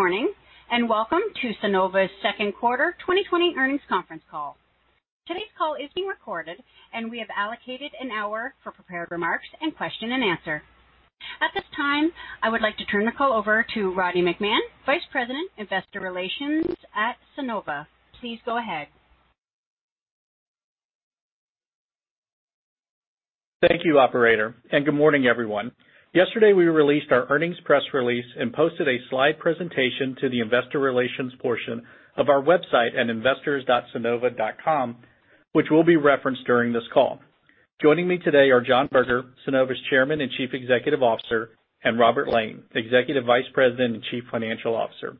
Good morning, and welcome to Sunnova's second quarter 2020 earnings conference call. Today's call is being recorded, and we have allocated an hour for prepared remarks and question-and-answer. At this time, I would like to turn the call over to Roddy McMahan, Vice President, Investor Relations at Sunnova. Please go ahead. Thank you, operator, and good morning, everyone. Yesterday, we released our earnings press release and posted a slide presentation to the investor relations portion of our website at investors.sunnova.com, which will be referenced during this call. Joining me today are John Berger, Sunnova's Chairman and Chief Executive Officer, and Robert Lane, Executive Vice President and Chief Financial Officer.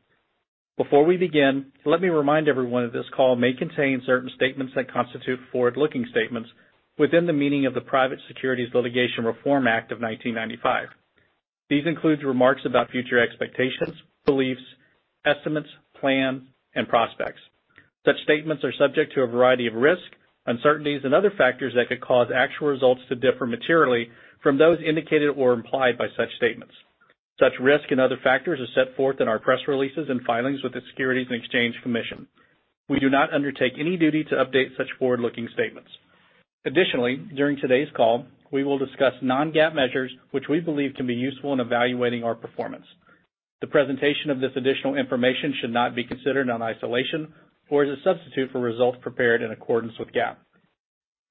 Before we begin, let me remind everyone that this call may contain certain statements that constitute forward-looking statements within the meaning of the Private Securities Litigation Reform Act of 1995. These include remarks about future expectations, beliefs, estimates, plans, and prospects. Such statements are subject to a variety of risks, uncertainties, and other factors that could cause actual results to differ materially from those indicated or implied by such statements. Such risks and other factors are set forth in our press releases and filings with the Securities and Exchange Commission. We do not undertake any duty to update such forward-looking statements. During today's call, we will discuss non-GAAP measures which we believe can be useful in evaluating our performance. The presentation of this additional information should not be considered in isolation or as a substitute for results prepared in accordance with GAAP.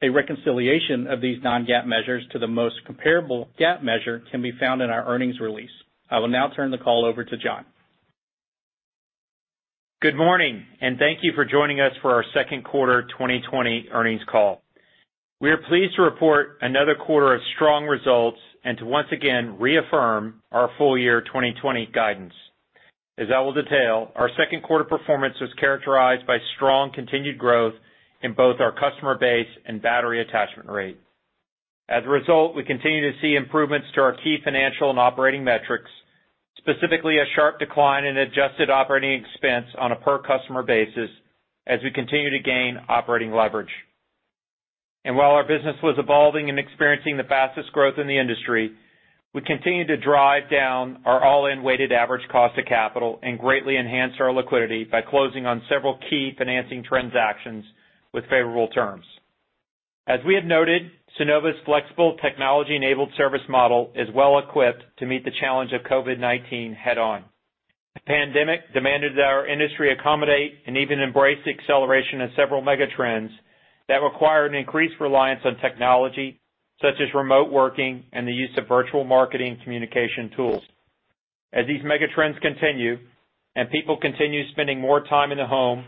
A reconciliation of these non-GAAP measures to the most comparable GAAP measure can be found in our earnings release. I will now turn the call over to John. Good morning. Thank you for joining us for our second quarter 2020 earnings call. We are pleased to report another quarter of strong results and to once again reaffirm our full year 2020 guidance. As I will detail, our second quarter performance was characterized by strong continued growth in both our customer base and battery attachment rate. As a result, we continue to see improvements to our key financial and operating metrics, specifically a sharp decline in adjusted operating expense on a per customer basis as we continue to gain operating leverage. While our business was evolving and experiencing the fastest growth in the industry, we continued to drive down our all-in weighted average cost of capital and greatly enhanced our liquidity by closing on several key financing transactions with favorable terms. As we have noted, Sunnova's flexible technology-enabled service model is well equipped to meet the challenge of COVID-19 head on. The pandemic demanded that our industry accommodate and even embrace the acceleration of several mega trends that require an increased reliance on technology, such as remote working and the use of virtual marketing communication tools. As these mega trends continue, and people continue spending more time in the home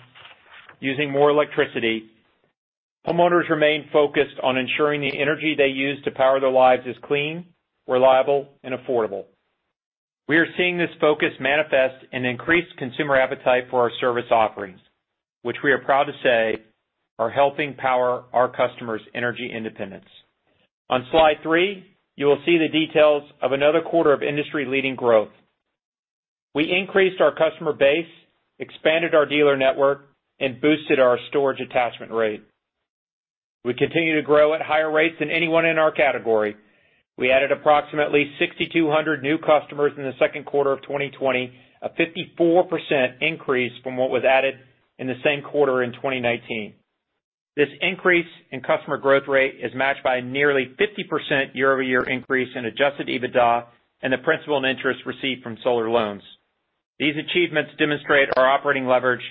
using more electricity, homeowners remain focused on ensuring the energy they use to power their lives is clean, reliable, and affordable. We are seeing this focus manifest an increased consumer appetite for our service offerings, which we are proud to say are helping power our customers' energy independence. On slide three, you will see the details of another quarter of industry-leading growth. We increased our customer base, expanded our dealer network, and boosted our storage attachment rate. We continue to grow at higher rates than anyone in our category. We added approximately 6,200 new customers in the second quarter of 2020, a 54% increase from what was added in the same quarter in 2019. This increase in customer growth rate is matched by a nearly 50% year-over-year increase in adjusted EBITDA and the principal and interest received from solar loans. These achievements demonstrate our operating leverage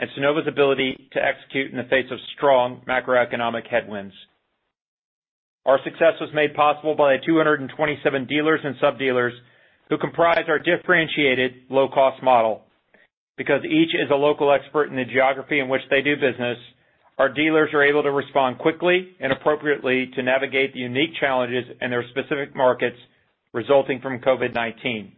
and Sunnova's ability to execute in the face of strong macroeconomic headwinds. Our success was made possible by the 227 dealers and sub-dealers who comprise our differentiated low-cost model. Because each is a local expert in the geography in which they do business, our dealers are able to respond quickly and appropriately to navigate the unique challenges in their specific markets resulting from COVID-19.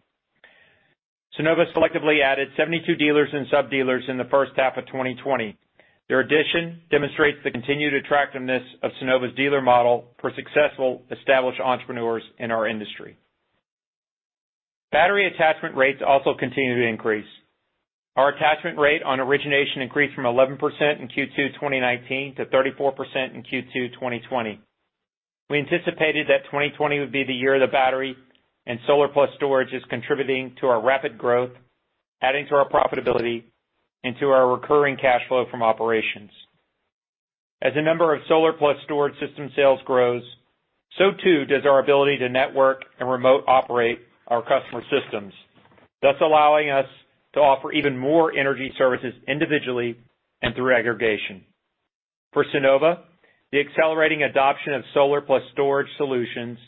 Sunnova selectively added 72 dealers and sub-dealers in the first half of 2020. Their addition demonstrates the continued attractiveness of Sunnova's dealer model for successful established entrepreneurs in our industry. Battery attachment rates also continue to increase. Our attachment rate on origination increased from 11% in Q2 2019 to 34% in Q2 2020. We anticipated that 2020 would be the year of the battery, and solar-plus storage is contributing to our rapid growth, adding to our profitability, and to our recurring cash flow from operations. As the number of solar-plus storage system sales grows, so too does our ability to network and remote operate our customer systems, thus allowing us to offer even more energy services individually and through aggregation. For Sunnova, the accelerating adoption of solar-plus storage solutions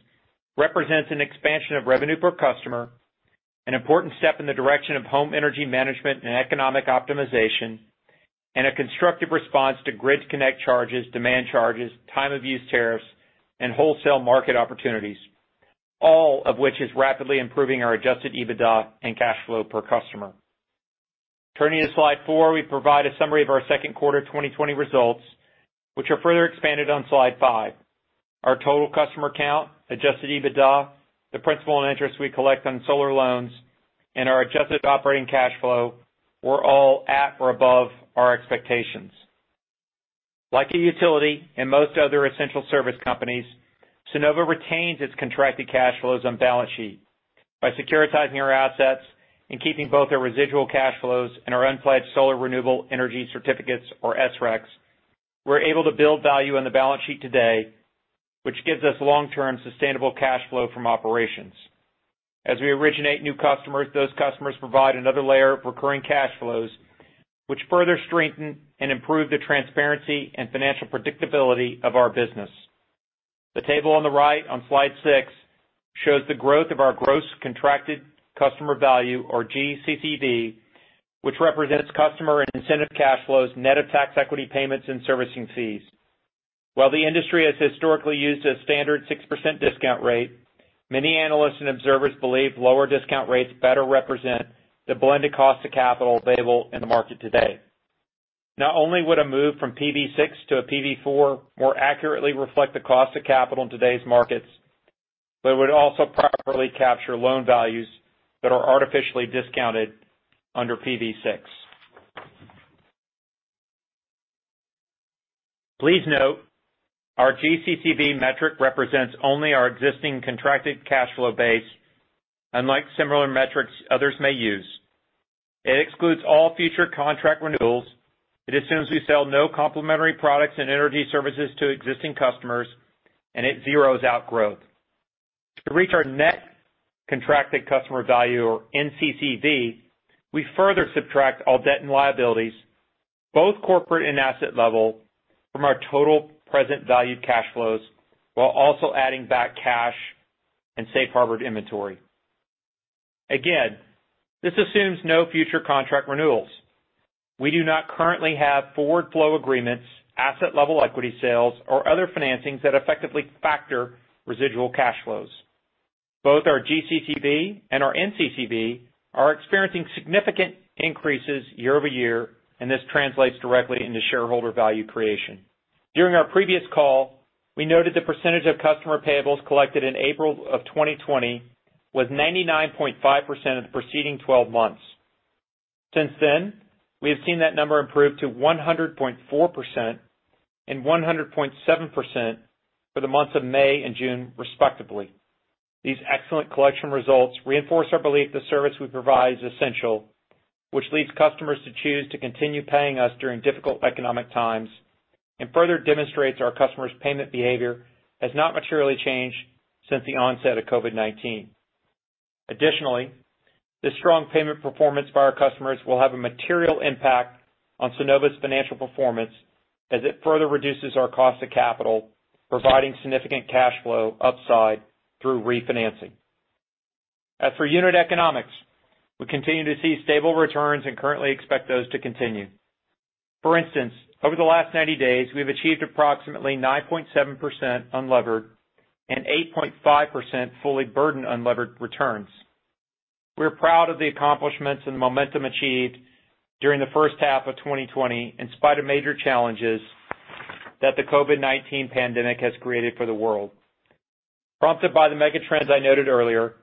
represents an expansion of revenue per customer, an important step in the direction of home energy management and economic optimization, and a constructive response to grid connect charges, demand charges, time of use tariffs, and wholesale market opportunities, all of which is rapidly improving our adjusted EBITDA and cash flow per customer. Turning to slide four, we provide a summary of our second quarter 2020 results, which are further expanded on slide five. Our total customer count, adjusted EBITDA, the principal and interest we collect on solar loans, and our adjusted operating cash flow were all at or above our expectations. Like a utility and most other essential service companies, Sunnova retains its contracted cash flows on balance sheet. By securitizing our assets and keeping both our residual cash flows and our unpledged Solar Renewable Energy Certificates, or SRECs, we're able to build value on the balance sheet today, which gives us long-term sustainable cash flow from operations. As we originate new customers, those customers provide another layer of recurring cash flows, which further strengthen and improve the transparency and financial predictability of our business. The table on the right on slide six shows the growth of our gross contracted customer value, or GCCV, which represents customer and incentive cash flows net of tax equity payments and servicing fees. While the industry has historically used a standard 6% discount rate, many analysts and observers believe lower discount rates better represent the blended cost of capital available in the market today. Not only would a move from PV6 to a PV4 more accurately reflect the cost of capital in today's markets, it would also properly capture loan values that are artificially discounted under PV6. Please note our GCCV metric represents only our existing contracted cash flow base, unlike similar metrics others may use. It excludes all future contract renewals, it assumes we sell no complementary products and energy services to existing customers, it zeros out growth. To reach our net contracted customer value, or NCCV, we further subtract all debt and liabilities, both corporate and asset level, from our total present valued cash flows while also adding back cash and safe harbor inventory. Again, this assumes no future contract renewals. We do not currently have forward flow agreements, asset-level equity sales, or other financings that effectively factor residual cash flows. Both our GCCV and our NCCV are experiencing significant increases year-over-year. This translates directly into shareholder value creation. During our previous call, we noted the percentage of customer payables collected in April of 2020 was 99.5% of the preceding 12 months. Since then, we have seen that number improve to 100.4% and 100.7% for the months of May and June respectively. These excellent collection results reinforce our belief the service we provide is essential, which leads customers to choose to continue paying us during difficult economic times and further demonstrates our customers' payment behavior has not materially changed since the onset of COVID-19. This strong payment performance by our customers will have a material impact on Sunnova's financial performance as it further reduces our cost of capital, providing significant cash flow upside through refinancing. As for unit economics, we continue to see stable returns and currently expect those to continue. For instance, over the last 90 days we've achieved approximately 9.7% unlevered and 8.5% fully burdened unlevered returns. We're proud of the accomplishments and the momentum achieved during the first half of 2020 in spite of major challenges that the COVID-19 pandemic has created for the world. Prompted by the mega trends I noted earlier,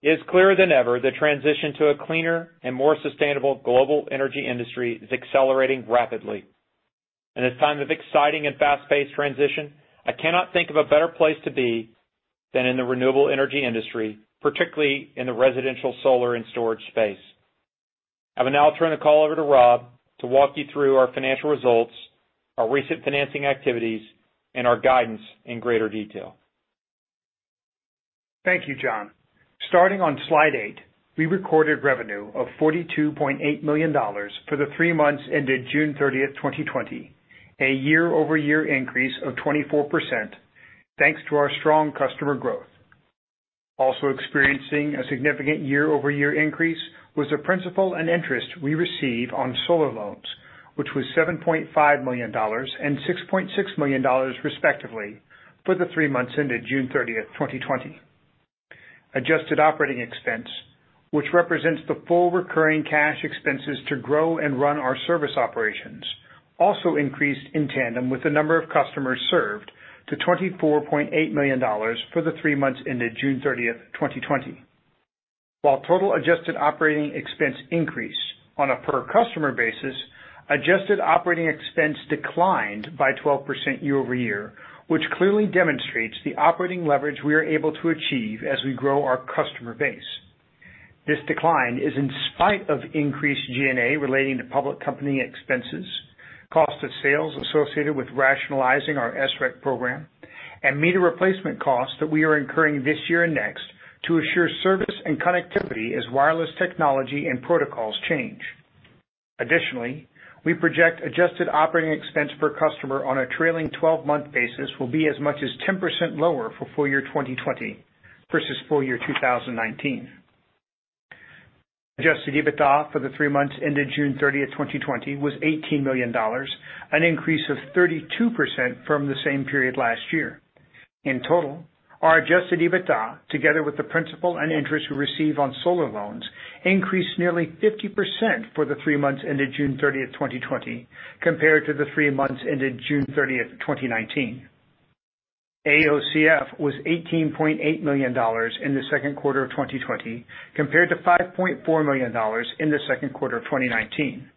it is clearer than ever the transition to a cleaner and more sustainable global energy industry is accelerating rapidly. In this time of exciting and fast-paced transition, I cannot think of a better place to be than in the renewable energy industry, particularly in the residential solar and storage space. I will now turn the call over to Rob to walk you through our financial results, our recent financing activities, and our guidance in greater detail. Thank you, John. Starting on slide eight, we recorded revenue of $42.8 million for the three months ended June 30th, 2020, a year-over-year increase of 24% thanks to our strong customer growth. Experiencing a significant year-over-year increase was the principal and interest we receive on solar loans, which was $7.5 million and $6.6 million respectively for the three months ended June 30th, 2020. Adjusted operating expense, which represents the full recurring cash expenses to grow and run our service operations, increased in tandem with the number of customers served to $24.8 million for the three months ended June 30th, 2020. While total adjusted operating expense increased on a per customer basis, adjusted operating expense declined by 12% year-over-year, which clearly demonstrates the operating leverage we are able to achieve as we grow our customer base. This decline is in spite of increased G&A relating to public company expenses, cost of sales associated with rationalizing our SREC program, and meter replacement costs that we are incurring this year and next to assure service and connectivity as wireless technology and protocols change. Additionally, we project adjusted operating expense per customer on a trailing 12-month basis will be as much as 10% lower for full year 2020 versus full year 2019. Adjusted EBITDA for the three months ended June 30th, 2020 was $18 million, an increase of 32% from the same period last year. In total, our adjusted EBITDA together with the principal and interest we receive on solar loans increased nearly 50% for the three months ended June 30th, 2020, compared to the three months ended June 30th, 2019. AOCF was $18.8 million in the second quarter of 2020, compared to $5.4 million in the second quarter of 2019.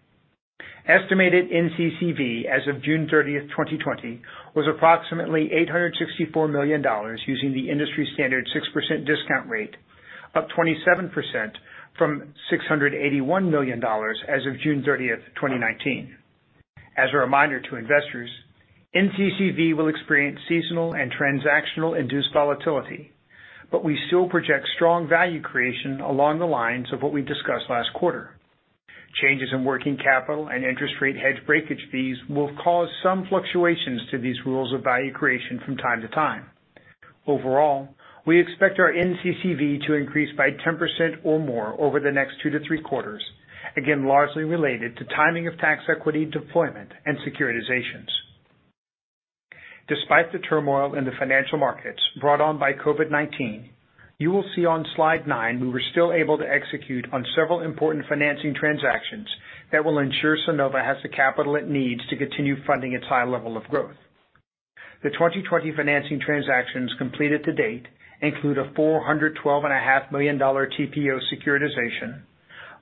Estimated NCCV as of June 30th, 2020, was approximately $864 million, using the industry standard 6% discount rate, up 27% from $681 million as of June 30th, 2019. As a reminder to investors, NCCV will experience seasonal and transactional induced volatility, but we still project strong value creation along the lines of what we discussed last quarter. Changes in working capital and interest rate hedge breakage fees will cause some fluctuations to these rules of value creation from time to time. Overall, we expect our NCCV to increase by 10% or more over the next two to three quarters, again, largely related to timing of tax equity deployment and securitizations. Despite the turmoil in the financial markets brought on by COVID-19, you will see on slide nine we were still able to execute on several important financing transactions that will ensure Sunnova has the capital it needs to continue funding its high level of growth. The 2020 financing transactions completed to date include a $412.5 million TPO securitization,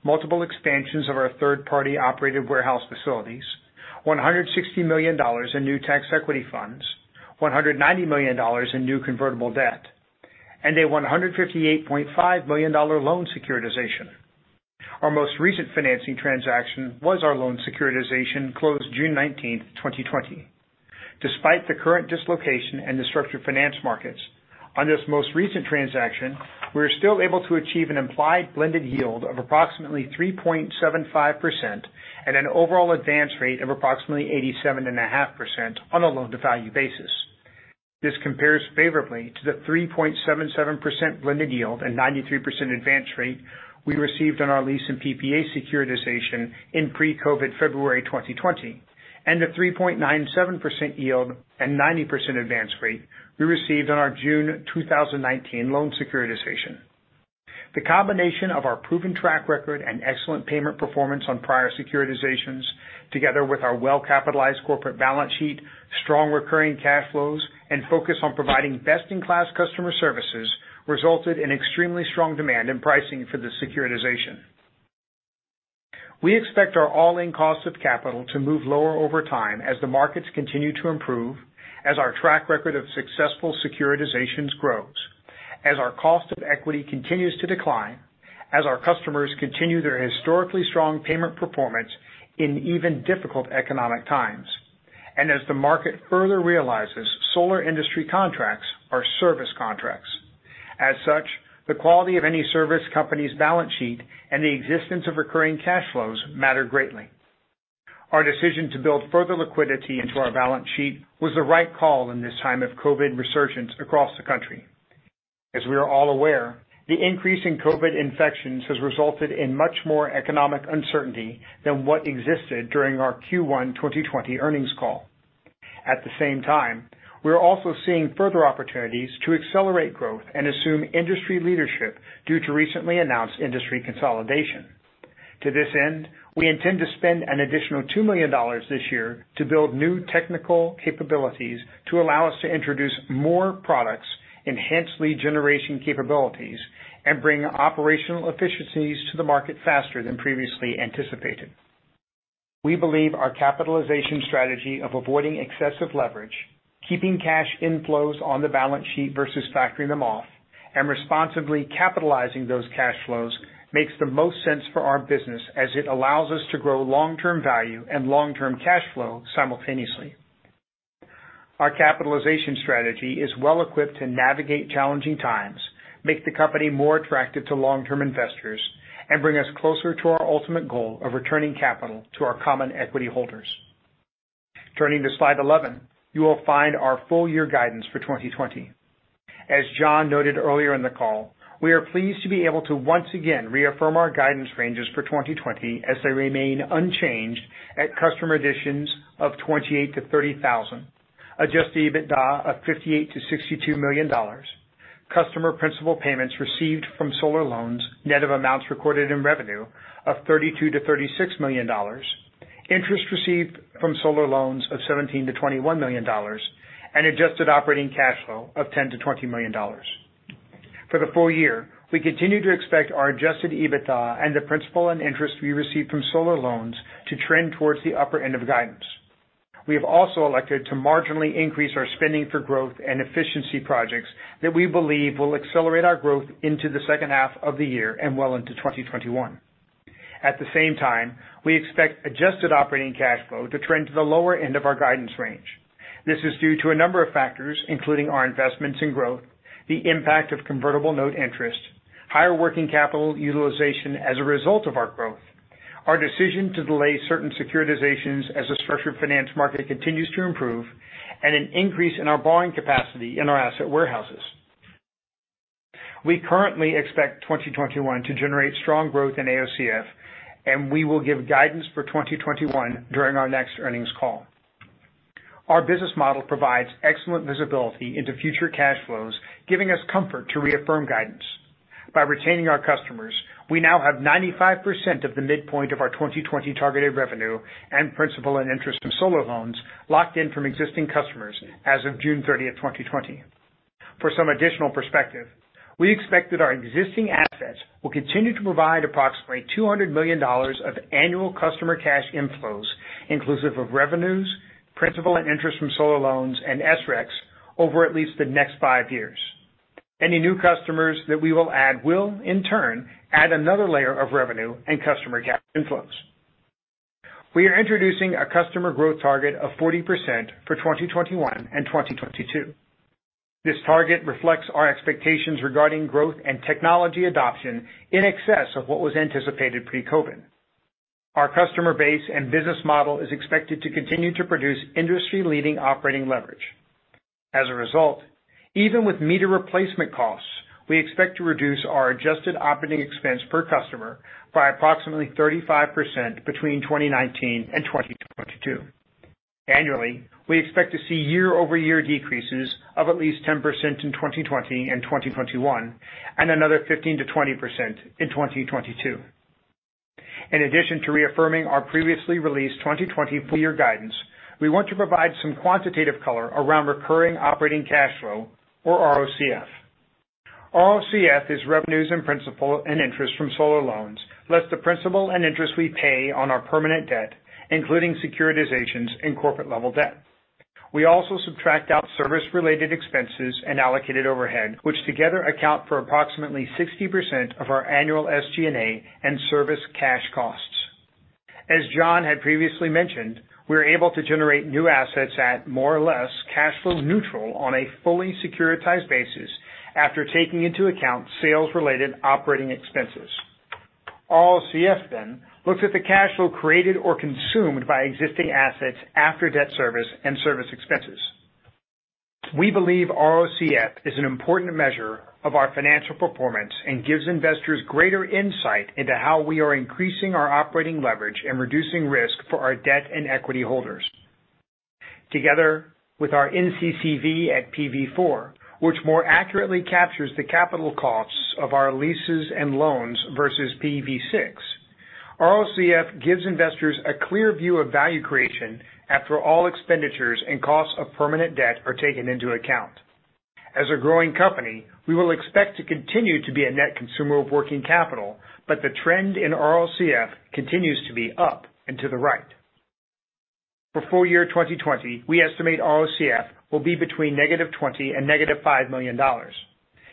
multiple expansions of our third-party operated warehouse facilities, $160 million in new tax equity funds, $190 million in new convertible debt, and a $158.5 million loan securitization. Our most recent financing transaction was our loan securitization closed June 19th, 2020. Despite the current dislocation in the structured finance markets, on this most recent transaction, we were still able to achieve an implied blended yield of approximately 3.75% and an overall advance rate of approximately 87.5% on a loan to value basis. This compares favorably to the 3.77% blended yield and 93% advance rate we received on our lease and PPA securitization in pre-COVID-19 February 2020, and the 3.97% yield and 90% advance rate we received on our June 2019 loan securitization. The combination of our proven track record and excellent payment performance on prior securitizations, together with our well-capitalized corporate balance sheet, strong recurring cash flows, and focus on providing best-in-class customer services, resulted in extremely strong demand in pricing for the securitization. We expect our all-in cost of capital to move lower over time as the markets continue to improve, as our track record of successful securitizations grows, as our cost of equity continues to decline, as our customers continue their historically strong payment performance in even difficult economic times, and as the market further realizes solar industry contracts are service contracts. As such, the quality of any service company's balance sheet and the existence of recurring cash flows matter greatly. Our decision to build further liquidity into our balance sheet was the right call in this time of COVID-19 resurgence across the country. As we are all aware, the increase in COVID-19 infections has resulted in much more economic uncertainty than what existed during our Q1 2020 earnings call. At the same time, we are also seeing further opportunities to accelerate growth and assume industry leadership due to recently announced industry consolidation. To this end, we intend to spend an additional $2 million this year to build new technical capabilities to allow us to introduce more products, enhance lead generation capabilities, and bring operational efficiencies to the market faster than previously anticipated. We believe our capitalization strategy of avoiding excessive leverage, keeping cash inflows on the balance sheet versus factoring them off, and responsibly capitalizing those cash flows makes the most sense for our business as it allows us to grow long-term value and long-term cash flow simultaneously. Our capitalization strategy is well-equipped to navigate challenging times, make the company more attractive to long-term investors, and bring us closer to our ultimate goal of returning capital to our common equity holders. Turning to slide 11, you will find our full year guidance for 2020. As John noted earlier in the call, we are pleased to be able to once again reaffirm our guidance ranges for 2020 as they remain unchanged at customer additions of 28,000-30,000, adjusted EBITDA of $58 million-$62 million, customer principal payments received from solar loans, net of amounts recorded in revenue of $32 million-$36 million, interest received from solar loans of $17 million-$21 million, and adjusted operating cash flow of $10 million-$20 million. For the full year, we continue to expect our adjusted EBITDA and the principal and interest we receive from solar loans to trend towards the upper end of guidance. We have also elected to marginally increase our spending for growth and efficiency projects that we believe will accelerate our growth into the second half of the year and well into 2021. At the same time, we expect adjusted operating cash flow to trend to the lower end of our guidance range. This is due to a number of factors, including our investments in growth, the impact of convertible note interest, higher working capital utilization as a result of our growth, our decision to delay certain securitizations as the structured finance market continues to improve, and an increase in our borrowing capacity in our asset warehouses. We currently expect 2021 to generate strong growth in AOCF, and we will give guidance for 2021 during our next earnings call. Our business model provides excellent visibility into future cash flows, giving us comfort to reaffirm guidance. By retaining our customers, we now have 95% of the midpoint of our 2020 targeted revenue and principal and interest of solar loans locked in from existing customers as of June 30th, 2020. For some additional perspective, we expect that our existing assets will continue to provide approximately $200 million of annual customer cash inflows, inclusive of revenues, principal and interest from solar loans, and SRECs over at least the next five years. Any new customers that we will add will, in turn, add another layer of revenue and customer cash inflows. We are introducing a customer growth target of 40% for 2021 and 2022. This target reflects our expectations regarding growth and technology adoption in excess of what was anticipated pre-COVID. Our customer base and business model is expected to continue to produce industry-leading operating leverage. As a result, even with meter replacement costs, we expect to reduce our adjusted operating expense per customer by approximately 35% between 2019 and 2022. Annually, we expect to see year-over-year decreases of at least 10% in 2020 and 2021, and another 15%-20% in 2022. In addition to reaffirming our previously released 2020 full year guidance, we want to provide some quantitative color around recurring operating cash flow, or ROCF. ROCF is revenues and principal and interest from solar loans, less the principal and interest we pay on our permanent debt, including securitizations and corporate-level debt. We also subtract out service-related expenses and allocated overhead, which together account for approximately 60% of our annual SG&A and service cash costs. As John had previously mentioned, we're able to generate new assets at more or less cash flow neutral on a fully securitized basis after taking into account sales-related operating expenses. ROCF then looks at the cash flow created or consumed by existing assets after debt service and service expenses. We believe ROCF is an important measure of our financial performance and gives investors greater insight into how we are increasing our operating leverage and reducing risk for our debt and equity holders. Together with our NCCV at PV4, which more accurately captures the capital costs of our leases and loans versus PV6, ROCF gives investors a clear view of value creation after all expenditures and costs of permanent debt are taken into account. As a growing company, we will expect to continue to be a net consumer of working capital, but the trend in ROCF continues to be up and to the right. For full year 2020, we estimate ROCF will be between negative $20 million and negative $5 million.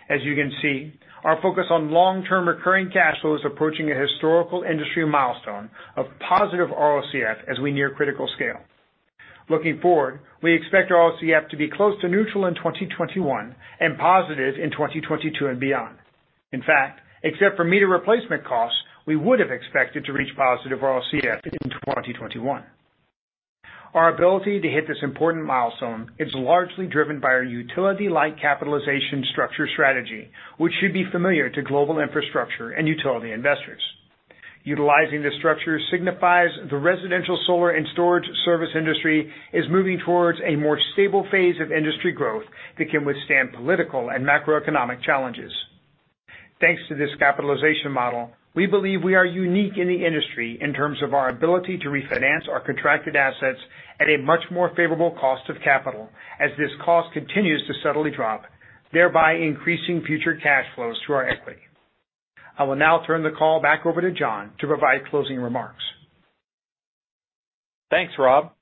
As you can see, our focus on long-term recurring cash flow is approaching a historical industry milestone of positive ROCF as we near critical scale. Looking forward, we expect ROCF to be close to neutral in 2021 and positive in 2022 and beyond. In fact, except for meter replacement costs, we would have expected to reach positive ROCF in 2021. Our ability to hit this important milestone is largely driven by our utility-like capitalization structure strategy, which should be familiar to global infrastructure and utility investors. Utilizing this structure signifies the residential solar and storage service industry is moving towards a more stable phase of industry growth that can withstand political and macroeconomic challenges. Thanks to this capitalization model, we believe we are unique in the industry in terms of our ability to refinance our contracted assets at a much more favorable cost of capital as this cost continues to steadily drop, thereby increasing future cash flows to our equity. I will now turn the call back over to John to provide closing remarks. Thanks, Rob.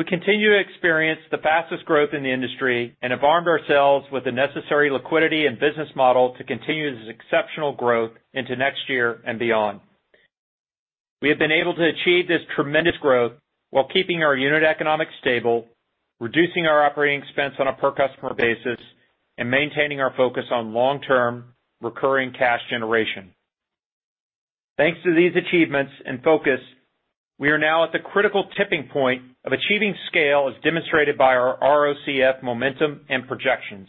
We continue to experience the fastest growth in the industry and have armed ourselves with the necessary liquidity and business model to continue this exceptional growth into next year and beyond. We have been able to achieve this tremendous growth while keeping our unit economics stable, reducing our operating expense on a per customer basis, and maintaining our focus on long-term recurring cash generation. Thanks to these achievements and focus, we are now at the critical tipping point of achieving scale, as demonstrated by our ROCF momentum and projections.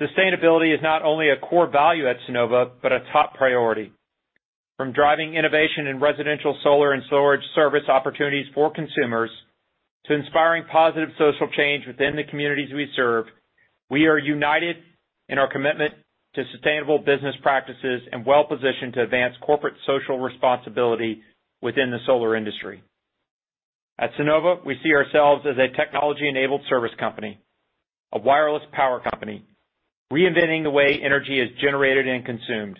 Sustainability is not only a core value at Sunnova, but a top priority. From driving innovation in residential solar and storage service opportunities for consumers to inspiring positive social change within the communities we serve, we are united in our commitment to sustainable business practices and well-positioned to advance corporate social responsibility within the solar industry. At Sunnova, we see ourselves as a technology-enabled service company, a wireless power company, reinventing the way energy is generated and consumed.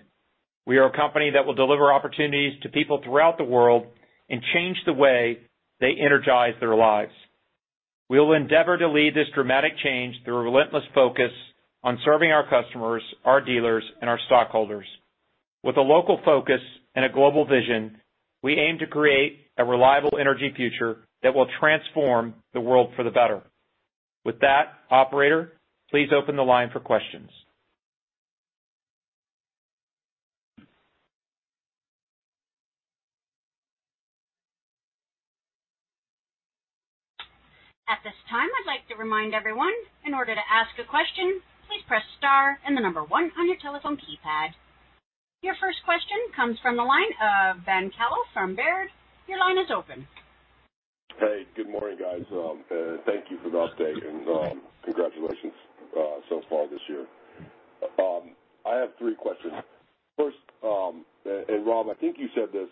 We are a company that will deliver opportunities to people throughout the world and change the way they energize their lives. We will endeavor to lead this dramatic change through a relentless focus on serving our customers, our dealers, and our stockholders. With a local focus and a global vision, we aim to create a reliable energy future that will transform the world for the better. With that, operator, please open the line for questions. At this time, I'd like to remind everyone, in order to ask a question, please press star and the number one on your telephone keypad. Your first question comes from the line of Ben Kallo from Baird. Guys, thank you for the update and congratulations so far this year. I have three questions. First, Rob, I think you said this,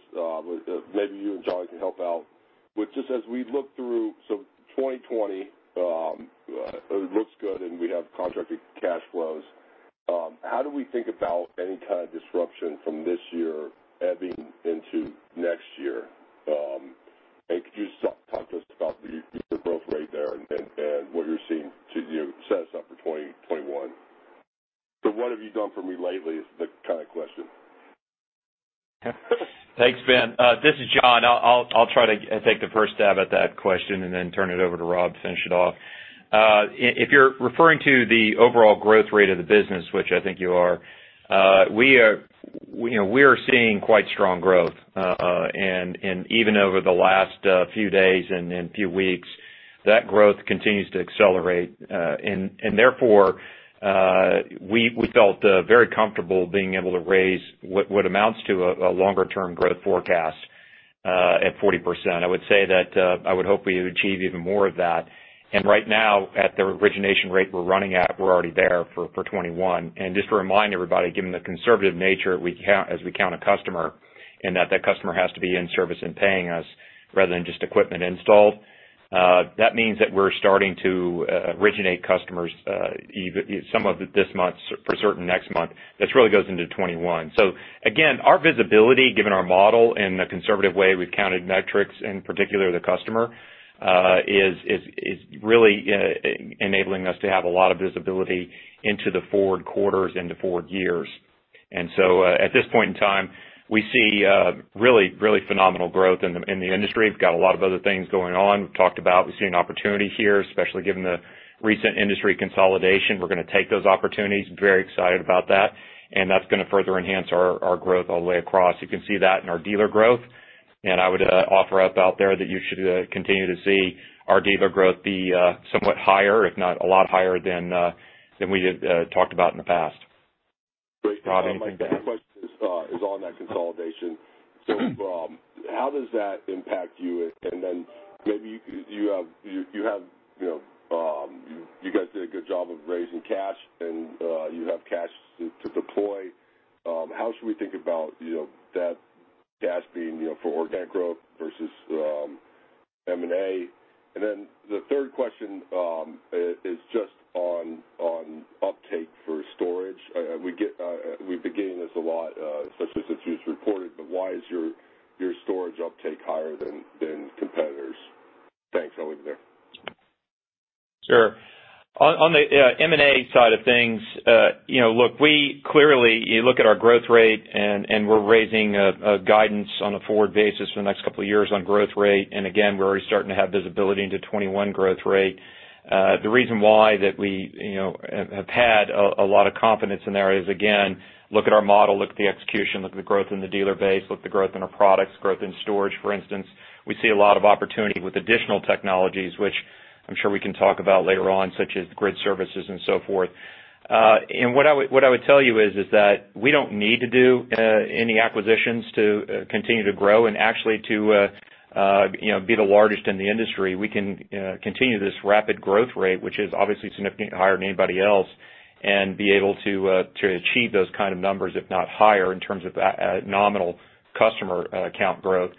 maybe you and John can help out, but just as we look through 2020, it looks good, and we have contracted cash flows. How do we think about any kind of disruption from this year ebbing into next year? Could you talk to us about the growth rate there and what you're seeing to set us up for 2021? What have you done for me lately is the kind of question. Thanks, Ben. This is John. I'll try to take the first stab at that question and then turn it over to Rob to finish it off. If you're referring to the overall growth rate of the business, which I think you are, we are seeing quite strong growth. Even over the last few days and few weeks, that growth continues to accelerate. Therefore, we felt very comfortable being able to raise what amounts to a longer-term growth forecast at 40%. I would say that I would hope we achieve even more of that. Right now, at the origination rate we're running at, we're already there for 2021. Just to remind everybody, given the conservative nature as we count a customer, and that that customer has to be in service and paying us rather than just equipment installed, that means that we're starting to originate customers, some of this month, for certain next month. This really goes into 2021. Again, our visibility, given our model and the conservative way we've counted metrics, and particularly the customer, is really enabling us to have a lot of visibility into the forward quarters, into forward years. At this point in time, we see really phenomenal growth in the industry. We've got a lot of other things going on. We've talked about we're seeing opportunity here, especially given the recent industry consolidation. We're going to take those opportunities. Very excited about that. That's going to further enhance our growth all the way across. You can see that in our dealer growth. I would offer up out there that you should continue to see our dealer growth be somewhat higher, if not a lot higher, than we had talked about in the past. Rob, anything to add? Great. My next question is on that consolidation. Rob, how does that impact you? Maybe you guys did a good job of raising cash, and you have cash to deploy. How should we think about that cash being for organic growth versus M&A? The third question is just on uptake for storage. We've been getting this a lot, such as it's just reported, but why is your storage uptake higher than competitors? Thanks. I'll leave it there. Sure. On the M&A side of things, look, we clearly, you look at our growth rate, and we're raising guidance on a forward basis for the next couple of years on growth rate. Again, we're already starting to have visibility into 2021 growth rate. The reason why that we have had a lot of confidence in there is, again, look at our model, look at the execution, look at the growth in the dealer base, look at the growth in our products, growth in storage, for instance. We see a lot of opportunity with additional technologies, which I'm sure we can talk about later on, such as grid services and so forth. What I would tell you is that we don't need to do any acquisitions to continue to grow and actually to be the largest in the industry. We can continue this rapid growth rate, which is obviously significantly higher than anybody else, and be able to achieve those kind of numbers, if not higher, in terms of nominal customer count growth.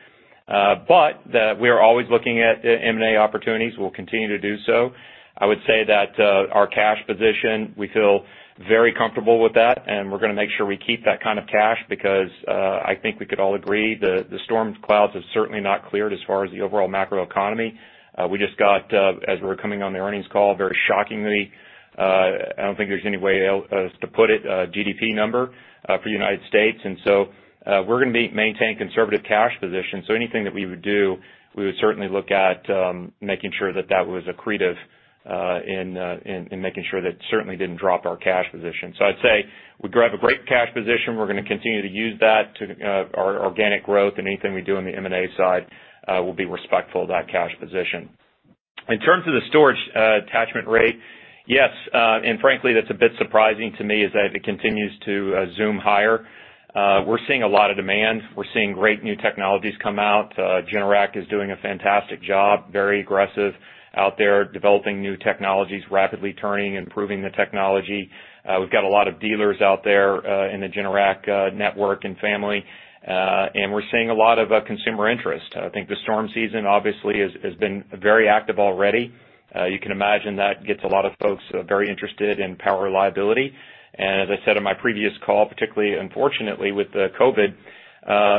We are always looking at M&A opportunities. We'll continue to do so. I would say that our cash position, we feel very comfortable with that, and we're going to make sure we keep that kind of cash because I think we could all agree the storm clouds have certainly not cleared as far as the overall macroeconomy. We just got, as we were coming on the earnings call, very shockingly, I don't think there's any way else to put it, GDP number for U.S., we're going to maintain conservative cash position. Anything that we would do, we would certainly look at making sure that that was accretive in making sure that certainly didn't drop our cash position. I'd say we have a great cash position. We're going to continue to use that to our organic growth and anything we do on the M&A side will be respectful of that cash position. In terms of the storage attachment rate, yes, and frankly, that's a bit surprising to me is that it continues to zoom higher. We're seeing a lot of demand. We're seeing great new technologies come out. Generac is doing a fantastic job. Very aggressive out there, developing new technologies, rapidly turning, improving the technology. We've got a lot of dealers out there in the Generac network and family. We're seeing a lot of consumer interest. I think the storm season obviously has been very active already. You can imagine that gets a lot of folks very interested in power reliability. As I said on my previous call, particularly unfortunately with the COVID-19,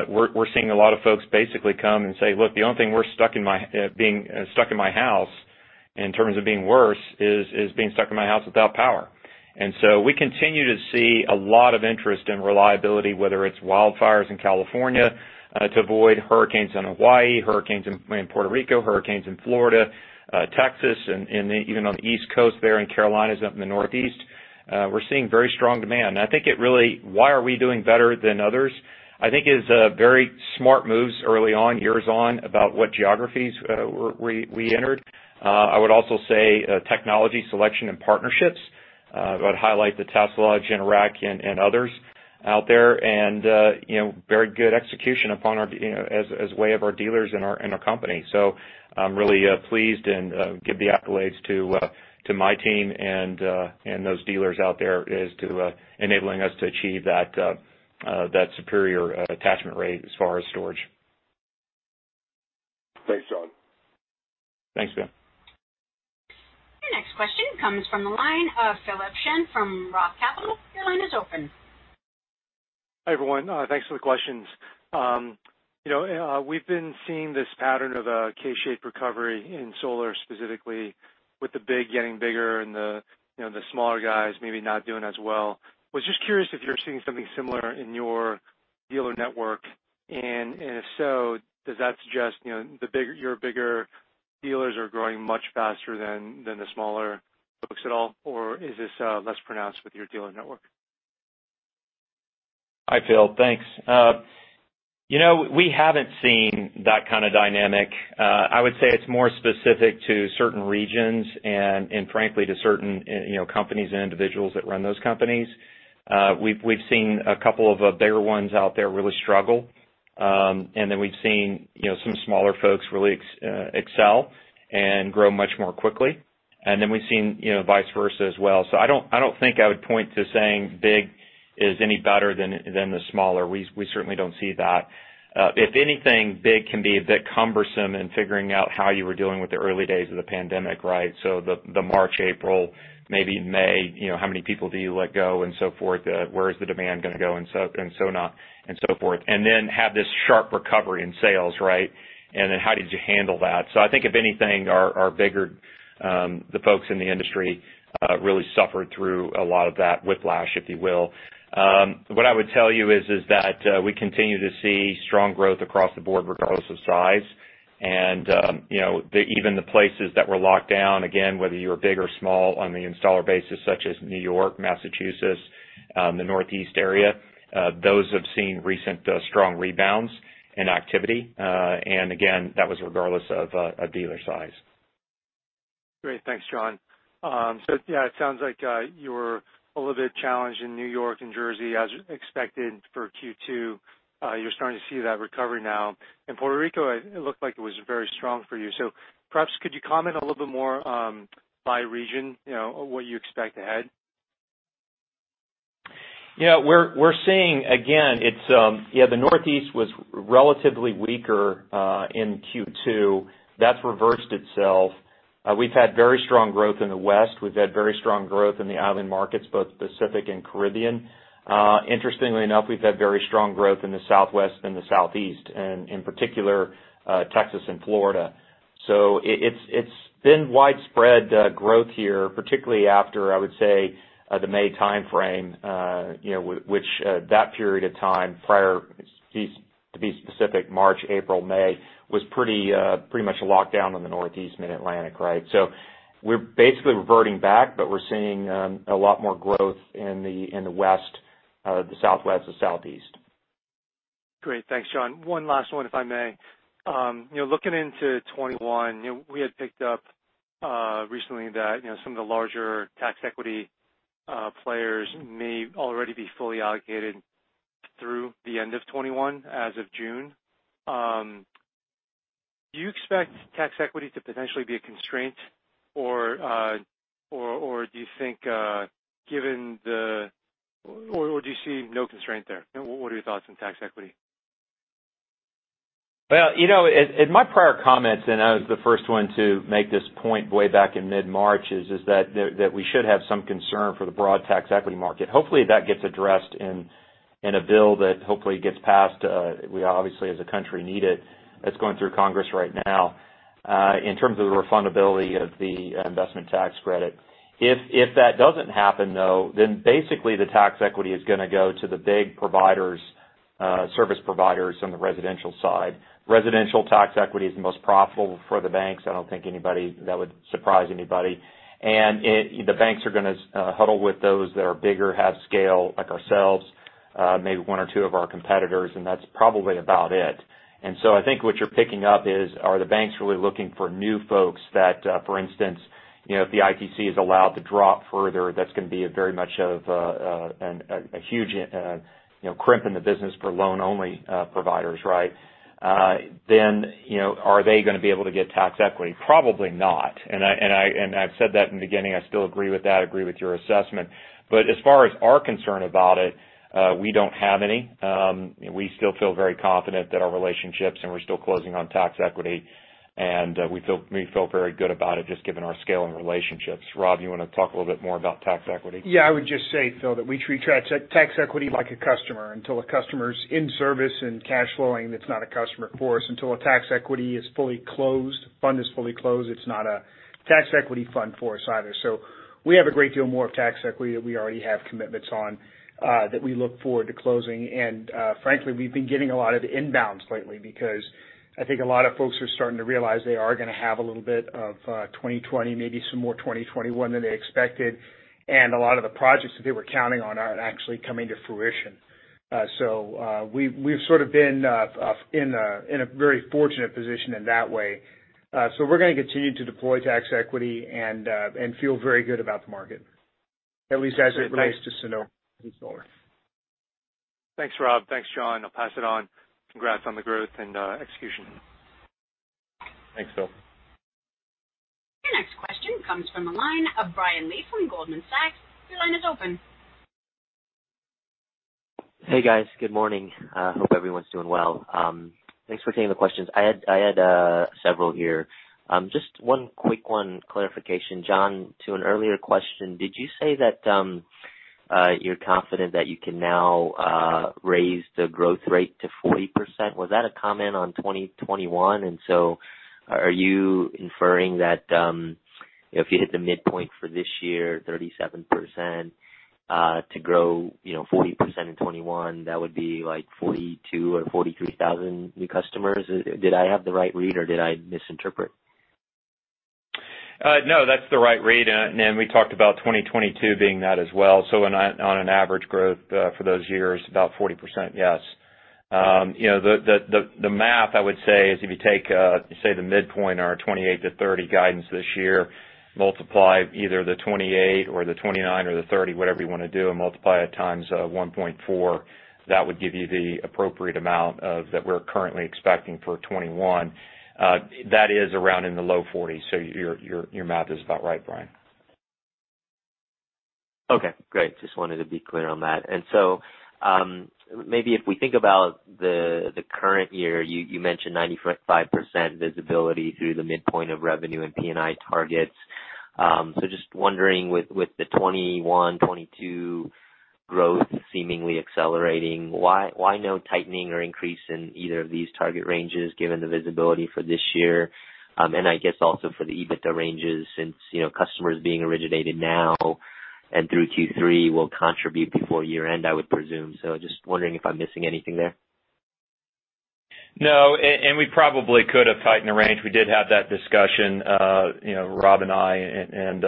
we're seeing a lot of folks basically come and say, "Look, the only thing worse than being stuck in my house in terms of being worse is being stuck in my house without power." We continue to see a lot of interest in reliability, whether it's wildfires in California to avoid hurricanes in Hawaii, hurricanes in Puerto Rico, hurricanes in Florida, Texas, and even on the East Coast there in Carolinas, up in the Northeast. We're seeing very strong demand. I think it really, why are we doing better than others? I think is very smart moves early on, years on, about what geographies we entered. I would also say technology selection and partnerships I'd highlight the Tesla, Generac, and others out there. Very good execution as way of our dealers and our company. I'm really pleased and give the accolades to my team and those dealers out there as to enabling us to achieve that superior attachment rate as far as storage. Thanks, John. Thanks, Ben. Your next question comes from the line of Philip Shen from ROTH Capital. Your line is open. Hi, everyone. Thanks for the questions. We've been seeing this pattern of a K shape recovery in solar, specifically with the big getting bigger and the smaller guys maybe not doing as well. Was just curious if you're seeing something similar in your dealer network, and if so, does that suggest your bigger dealers are growing much faster than the smaller folks at all, or is this less pronounced with your dealer network? Hi, Phil. Thanks. We haven't seen that kind of dynamic. I would say it's more specific to certain regions and frankly to certain companies and individuals that run those companies. We've seen a couple of bigger ones out there really struggle. We've seen some smaller folks really excel and grow much more quickly. We've seen vice versa as well. I don't think I would point to saying big is any better than the smaller. We certainly don't see that. If anything, big can be a bit cumbersome in figuring out how you were dealing with the early days of the pandemic, right? The March, April, maybe May, how many people do you let go and so forth? Where is the demand going to go and so forth. Have this sharp recovery in sales, right? How did you handle that? I think if anything, the folks in the industry really suffered through a lot of that whiplash, if you will. What I would tell you is that we continue to see strong growth across the board regardless of size. Even the places that were locked down, again, whether you were big or small on the installer basis, such as New York, Massachusetts, the Northeast area, those have seen recent strong rebounds in activity. Again, that was regardless of dealer size. Great. Thanks, John. Yeah, it sounds like you were a little bit challenged in New York and Jersey as expected for Q2. You're starting to see that recovery now. In Puerto Rico, it looked like it was very strong for you. Perhaps could you comment a little bit more by region, what you expect ahead? Yeah, we're seeing again, the Northeast was relatively weaker in Q2. That's reversed itself. We've had very strong growth in the West. We've had very strong growth in the island markets, both Pacific and Caribbean. Interestingly enough, we've had very strong growth in the Southwest and the Southeast, and in particular, Texas and Florida. It's been widespread growth here, particularly after, I would say, the May timeframe, which that period of time prior, to be specific March, April, May, was pretty much locked down in the Northeast mid-Atlantic, right? We're basically reverting back, but we're seeing a lot more growth in the West, the Southwest, the Southeast. Great. Thanks, John. One last one, if I may. Looking into 2021, we had picked up recently that some of the larger tax equity players may already be fully allocated through the end of 2021 as of June. Do you expect tax equity to potentially be a constraint, or do you see no constraint there? What are your thoughts on tax equity? Well, in my prior comments, and I was the first one to make this point way back in mid-March, is that we should have some concern for the broad tax equity market. Hopefully, that gets addressed in a bill that hopefully gets passed. We obviously, as a country, need it. That's going through Congress right now in terms of the refundability of the investment tax credit. If that doesn't happen, though, then basically the tax equity is going to go to the big service providers on the residential side. Residential tax equity is the most profitable for the banks. I don't think that would surprise anybody. The banks are going to huddle with those that are bigger, have scale like ourselves, maybe one or two of our competitors, and that's probably about it. I think what you're picking up is, are the banks really looking for new folks that, for instance, if the ITC is allowed to drop further, that's going to be a very much of a huge crimp in the business for loan-only providers, right? Are they going to be able to get tax equity? Probably not. I've said that in the beginning. I still agree with that, agree with your assessment. As far as our concern about it, we don't have any. We still feel very confident that our relationships and we're still closing on tax equity, and we feel very good about it just given our scale and relationships. Rob, you want to talk a little bit more about tax equity? Yeah, I would just say, Phil, that we treat tax equity like a customer. Until a customer's in service and cash flowing, it's not a customer for us. Until a tax equity is fully closed, fund is fully closed, it's not a tax equity fund for us either. We have a great deal more of tax equity that we already have commitments on that we look forward to closing. Frankly, we've been getting a lot of inbounds lately because I think a lot of folks are starting to realize they are going to have a little bit of 2020, maybe some more 2021 than they expected. A lot of the projects that they were counting on aren't actually coming to fruition. We've sort of been in a very fortunate position in that way. We're going to continue to deploy tax equity and feel very good about the market, at least as it relates to Sunnova installer. Thanks, Rob. Thanks, John. I'll pass it on. Congrats on the growth and execution. Thanks, Phil. Your next question comes from the line of Brian Lee from Goldman Sachs. Your line is open. Hey, guys. Good morning. I hope everyone's doing well. Thanks for taking the questions. I had several here. Just one quick one, clarification. John, to an earlier question, did you say that you're confident that you can now raise the growth rate to 40%? Was that a comment on 2021? Are you inferring that if you hit the midpoint for this year, 37%, to grow 40% in 2021, that would be like 42,000 or 43,000 new customers? Did I have the right read, or did I misinterpret? No, that's the right read. We talked about 2022 being that as well. On an average growth for those years, about 40%, yes. The math, I would say is if you take the midpoint, our 28-30 guidance this year, multiply either the 28 or the 29 or the 30, whatever you want to do, and multiply it times 1.4, that would give you the appropriate amount that we're currently expecting for 2021. That is around in the low 40s. Your math is about right, Brian. Okay, great. Just wanted to be clear on that. Maybe if we think about the current year, you mentioned 95% visibility through the midpoint of revenue and P&I targets. Just wondering, with the 2021, 2022 growth seemingly accelerating, why no tightening or increase in either of these target ranges given the visibility for this year? I guess also for the EBITDA ranges, since customers being originated now and through Q3 will contribute before year-end, I would presume. Just wondering if I'm missing anything there. No, and we probably could have tightened the range. We did have that discussion, Rob and I, and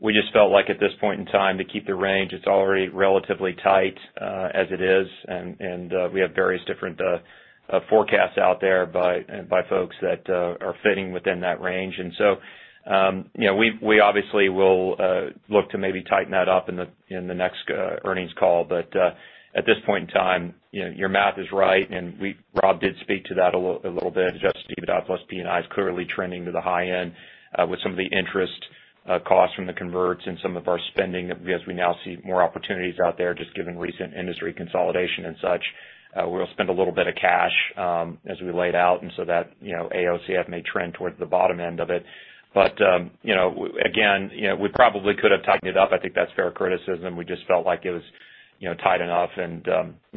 we just felt like at this point in time to keep the range. It's already relatively tight as it is, and we have various different forecasts out there by folks that are fitting within that range. We obviously will look to maybe tighten that up in the next earnings call. At this point in time, your math is right, and Rob did speak to that a little bit. adjusted EBITDA plus P&I is clearly trending to the high end with some of the interest costs from the converts and some of our spending, because we now see more opportunities out there just given recent industry consolidation and such. We'll spend a little bit of cash as we laid out. That AOCF may trend towards the bottom end of it. Again, we probably could have tightened it up. I think that's fair criticism. We just felt like it was tight enough.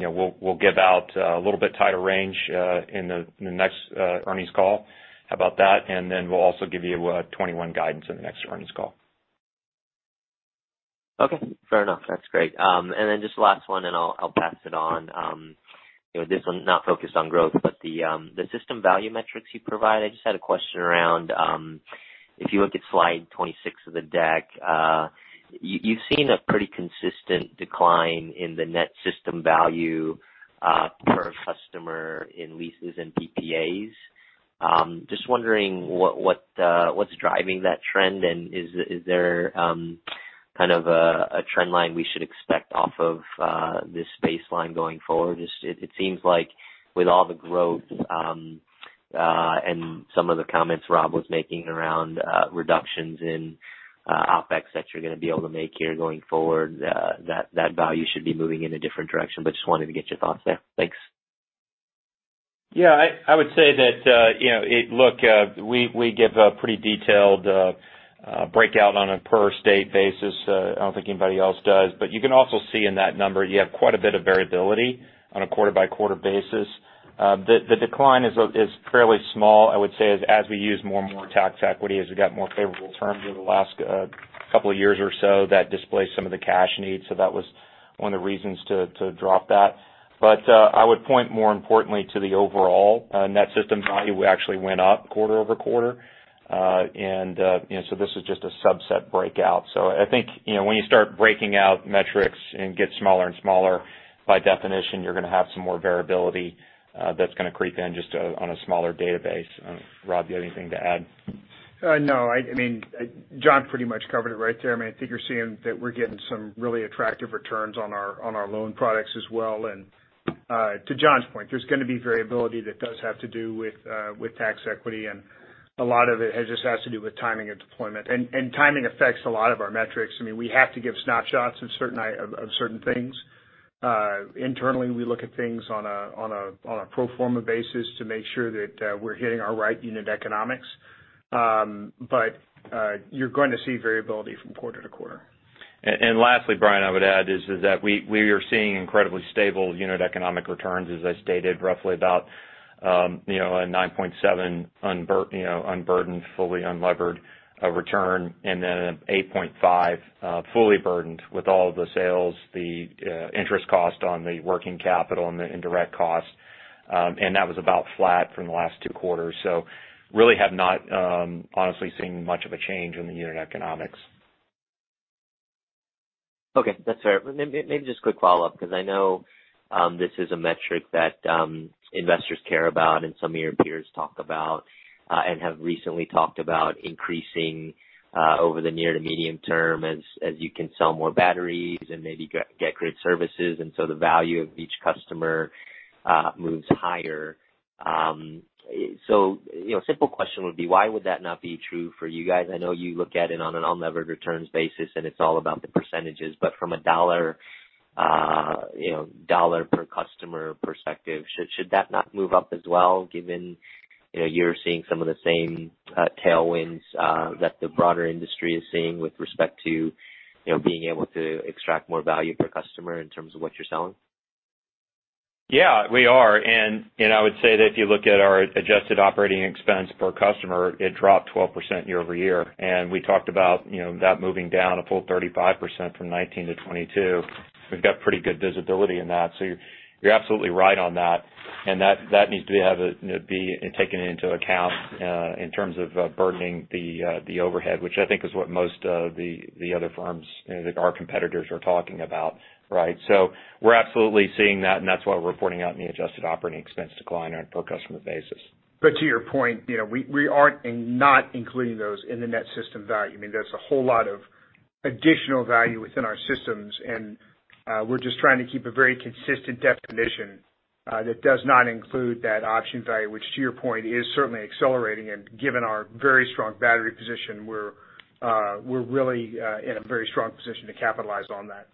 We'll give out a little bit tighter range in the next earnings call. How about that? Then we'll also give you 2021 guidance in the next earnings call. Okay, fair enough. That's great. Just the last one, and I'll pass it on. This one's not focused on growth, but the system value metrics you provide, I just had a question around if you look at slide 26 of the deck you've seen a pretty consistent decline in the net system value per customer in leases and PPAs. Just wondering what's driving that trend, and is there kind of a trend line we should expect off of this baseline going forward? It seems like with all the growth and some of the comments Rob was making around reductions in OpEx that you're going to be able to make here going forward, that value should be moving in a different direction. Just wanted to get your thoughts there. Thanks. I would say that look, we give a pretty detailed breakout on a per state basis. I don't think anybody else does. You can also see in that number, you have quite a bit of variability on a quarter-by-quarter basis. The decline is fairly small, I would say, as we use more and more tax equity, as we got more favorable terms over the last couple of years or so, that displaced some of the cash needs. That was one of the reasons to drop that. I would point more importantly to the overall net system value actually went up quarter-over-quarter. This is just a subset breakout. I think when you start breaking out metrics and get smaller and smaller, by definition, you're going to have some more variability that's going to creep in just on a smaller database. Rob, do you have anything to add? No, John pretty much covered it right there. I think you're seeing that we're getting some really attractive returns on our loan products as well. To John's point, there's going to be variability that does have to do with tax equity, and a lot of it just has to do with timing and deployment. Timing affects a lot of our metrics. We have to give snapshots of certain things. Internally, we look at things on a pro forma basis to make sure that we're hitting our right unit economics. You're going to see variability from quarter-to-quarter. Lastly, Brian, I would add is that we are seeing incredibly stable unit economic returns, as I stated, roughly about a 9.7 unburdened, fully unlevered return, and then an 8.5 fully burdened with all the sales, the interest cost on the working capital, and the indirect costs. That was about flat from the last two quarters. Really have not honestly seen much of a change in the unit economics. Okay. That's fair. Maybe just a quick follow-up, because I know this is a metric that investors care about and some of your peers talk about, and have recently talked about increasing over the near to medium term as you can sell more batteries and maybe get grid services, and so the value of each customer moves higher. Simple question would be, why would that not be true for you guys? I know you look at it on an unlevered returns basis, and it's all about the percentages, but from a dollar per customer perspective, should that not move up as well, given you're seeing some of the same tailwinds that the broader industry is seeing with respect to being able to extract more value per customer in terms of what you're selling? Yeah, we are. I would say that if you look at our adjusted operating expense per customer, it dropped 12% year-over-year. We talked about that moving down a full 35% from 2019 to 2022. We've got pretty good visibility in that. You're absolutely right on that, and that needs to be taken into account in terms of burdening the overhead, which I think is what most of the other firms, our competitors are talking about. Right? We're absolutely seeing that, and that's why we're reporting out in the adjusted operating expense decline on a per customer basis. To your point, we aren't not including those in the net system value. I mean, there's a whole lot of additional value within our systems, and we're just trying to keep a very consistent definition that does not include that option value, which to your point, is certainly accelerating. Given our very strong battery position, we're really in a very strong position to capitalize on that.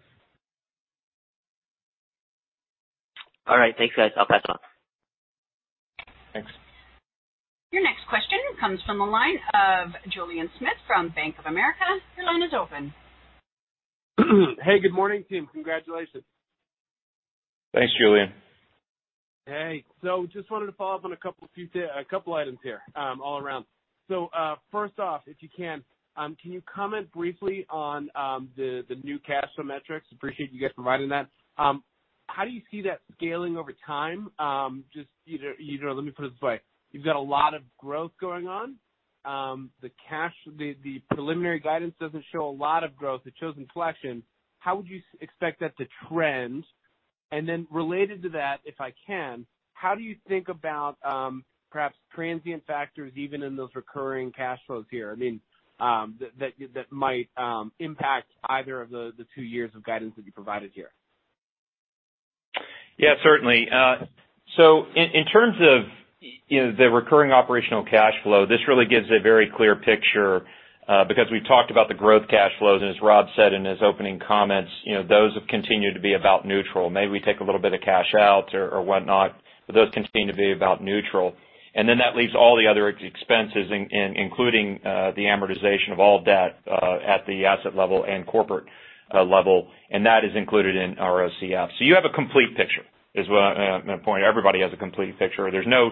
All right. Thanks, guys. I'll pass it on. Thanks. Your next question comes from the line of Julien Smith from Bank of America. Your line is open. Hey, good morning, team. Congratulations. Thanks, Julien. Hey. Just wanted to follow up on a couple items here all around. First off, if you can you comment briefly on the new cash flow metrics? Appreciate you guys providing that. How do you see that scaling over time? Just let me put it this way. You've got a lot of growth going on. The preliminary guidance doesn't show a lot of growth, the chosen selection. How would you expect that to trend? Related to that, if I can, how do you think about perhaps transient factors even in those recurring cash flows here, I mean, that might impact either of the two years of guidance that you provided here? Certainly. In terms of the Recurring Operating Cash Flow, this really gives a very clear picture because we talked about the growth cash flows, and as Rob said in his opening comments, those have continued to be about neutral. Maybe we take a little bit of cash out or whatnot, but those continue to be about neutral. That leaves all the other expenses, including the amortization of all debt at the asset level and corporate level, and that is included in our ROCF. You have a complete picture is what I'm going to point. Everybody has a complete picture. There's no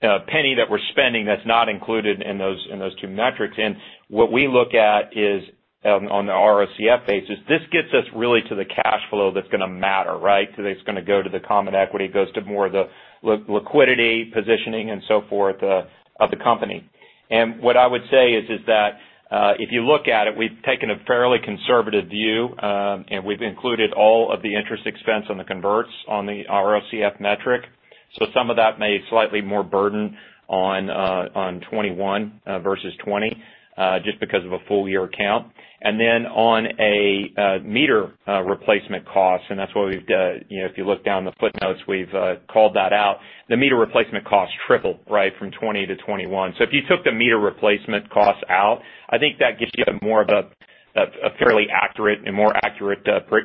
penny that we're spending that's not included in those two metrics. What we look at is on the ROCF basis, this gets us really to the cash flow that's going to matter, right? That's going to go to the common equity, it goes to more of the liquidity positioning and so forth of the company. What I would say is that, if you look at it, we've taken a fairly conservative view, and we've included all of the interest expense on the converts on the ROCF metric. Some of that may slightly more burden on 21 versus 20, just because of a full-year count. Then on a meter replacement cost, and that's why if you look down the footnotes, we've called that out. The meter replacement cost tripled from 20 to 21. If you took the meter replacement cost out, I think that gives you a more accurate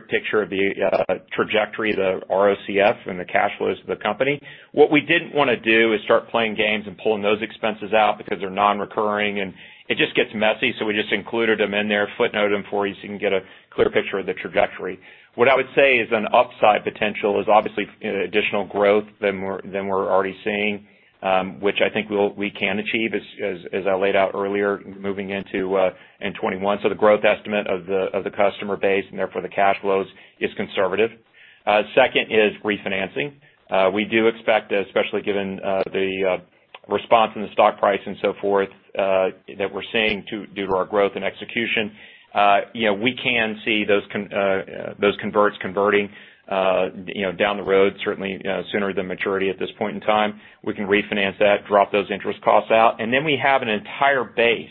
picture of the trajectory of the ROCF and the cash flows of the company. What we didn't want to do is start playing games and pulling those expenses out because they're non-recurring. It just gets messy. We just included them in there, footnoted them for you so you can get a clear picture of the trajectory. What I would say is an upside potential is obviously additional growth than we're already seeing, which I think we can achieve, as I laid out earlier, moving into 2021. The growth estimate of the customer base and therefore the cash flows is conservative. Second is refinancing. We do expect, especially given the response in the stock price and so forth that we're seeing due to our growth and execution, we can see those converts converting down the road, certainly sooner than maturity at this point in time. We can refinance that, drop those interest costs out. We have an entire base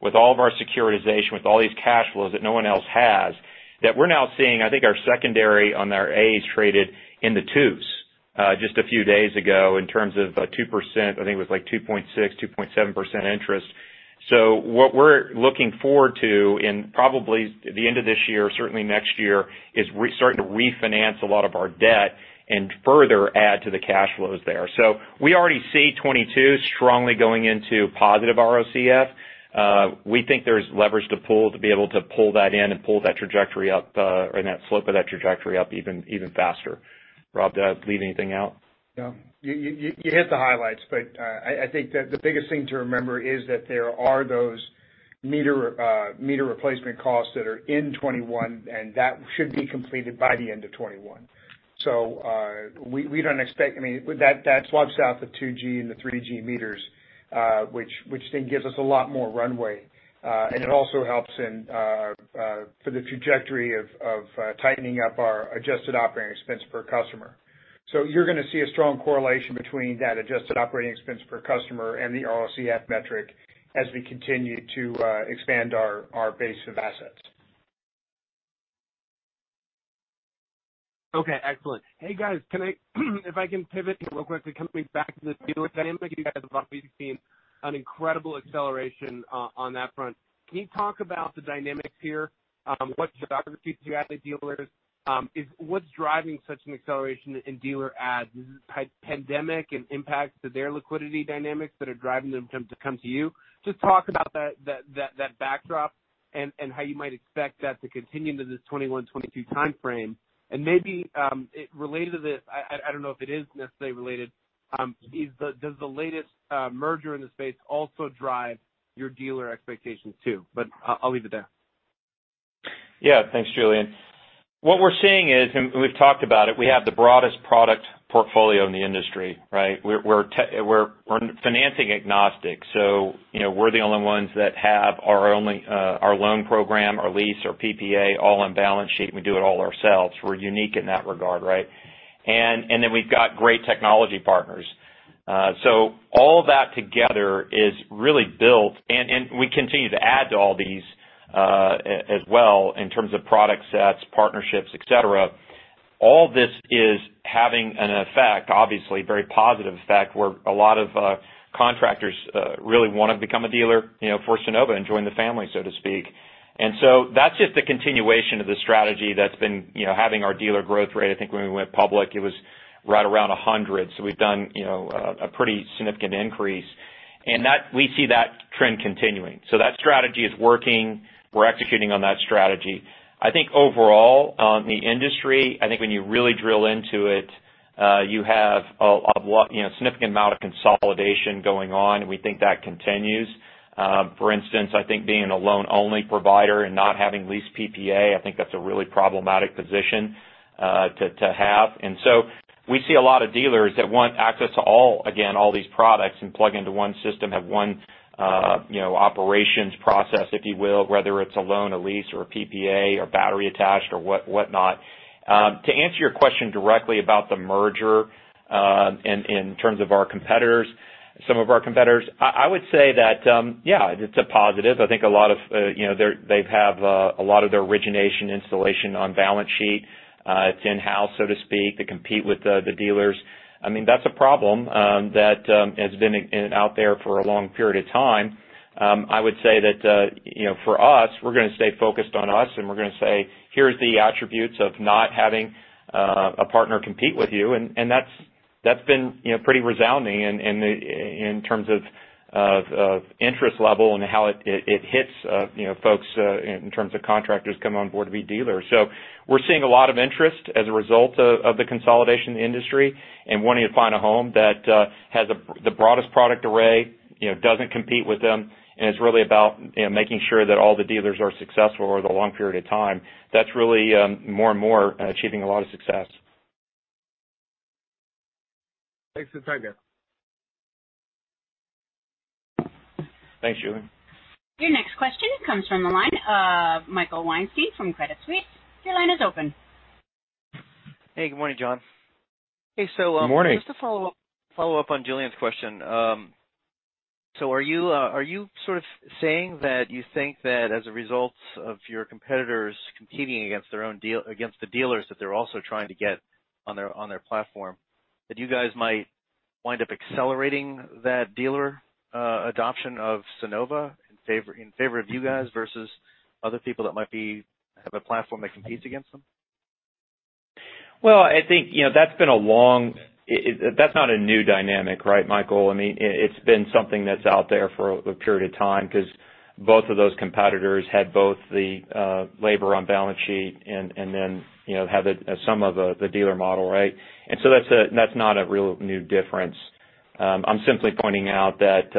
with all of our securitization, with all these cash flows that no one else has, that we're now seeing, I think our secondary on our As traded in the twos just a few days ago in terms of 2%, I think it was like 2.6%, 2.7% interest. What we're looking forward to in probably the end of this year, certainly next year, is starting to refinance a lot of our debt and further add to the cash flows there. We already see 2022 strongly going into positive ROCF. We think there's leverage to pull to be able to pull that in and pull that trajectory up or that slope of that trajectory up even faster. Rob, did I leave anything out? No. You hit the highlights, I think that the biggest thing to remember is that there are those meter replacement costs that are in 2021, and that should be completed by the end of 2021. That swaps out the 2G and the 3G meters which then gives us a lot more runway. It also helps for the trajectory of tightening up our adjusted operating expense per customer. You're going to see a strong correlation between that adjusted operating expense per customer and the ROCF metric as we continue to expand our base of assets. Okay, excellent. Hey, guys, if I can pivot real quickly, coming back to the dealer dynamic. You guys have obviously seen an incredible acceleration on that front. Can you talk about the dynamics here? What geographies do you have the dealers? What's driving such an acceleration in dealer adds? Is it pandemic and impacts to their liquidity dynamics that are driving them to come to you? Just talk about that backdrop and how you might expect that to continue into this 2021, 2022 timeframe. Maybe related to this, I don't know if it is necessarily related, does the latest merger in the space also drive your dealer expectations too? I'll leave it there. Thanks, Julien. What we're seeing is, we've talked about it, we have the broadest product portfolio in the industry, right? We're financing agnostic. We're the only ones that have our loan program, our lease, our PPA all on balance sheet, and we do it all ourselves. We're unique in that regard, right? We've got great technology partners. All that together is really built, and we continue to add to all these as well in terms of product sets, partnerships, et cetera. All this is having an effect, obviously very positive effect, where a lot of contractors really want to become a dealer for Sunnova and join the family, so to speak. That's just the continuation of the strategy that's been having our dealer growth rate. I think when we went public, it was right around 100. We've done a pretty significant increase, and we see that trend continuing. That strategy is working. We're executing on that strategy. I think overall, the industry, I think when you really drill into it, you have a significant amount of consolidation going on, and we think that continues. For instance, I think being a loan-only provider and not having lease PPA, I think that's a really problematic position to have. We see a lot of dealers that want access to all, again, all these products and plug into one system, have one operations process, if you will, whether it's a loan, a lease, or a PPA or battery attached or whatnot. To answer your question directly about the merger in terms of some of our competitors, I would say that yeah, it's a positive. I think they have a lot of their origination installation on balance sheet. It's in-house, so to speak, to compete with the dealers. That's a problem that has been out there for a long period of time. I would say that for us, we're going to stay focused on us, and we're going to say, "Here's the attributes of not having a partner compete with you." That's been pretty resounding in terms of interest level and how it hits folks in terms of contractors coming on board to be dealers. We're seeing a lot of interest as a result of the consolidation in the industry and wanting to find a home that has the broadest product array, doesn't compete with them, and it's really about making sure that all the dealers are successful over the long period of time. That's really more and more achieving a lot of success. Thanks for the time, guys. Thanks, Julien. Your next question comes from the line of Michael Weinstein from Credit Suisse. Your line is open. Hey, good morning, John. Good morning. Just to follow up on Julien's question. Are you sort of saying that you think that as a result of your competitors competing against the dealers that they're also trying to get on their platform, that you guys might wind up accelerating that dealer adoption of Sunnova in favor of you guys versus other people that might have a platform that competes against them? Well, I think that's not a new dynamic, right, Michael? It's been something that's out there for a period of time because both of those competitors had both the labor on balance sheet and then have some of the dealer model, right? That's not a real new difference. I'm simply pointing out that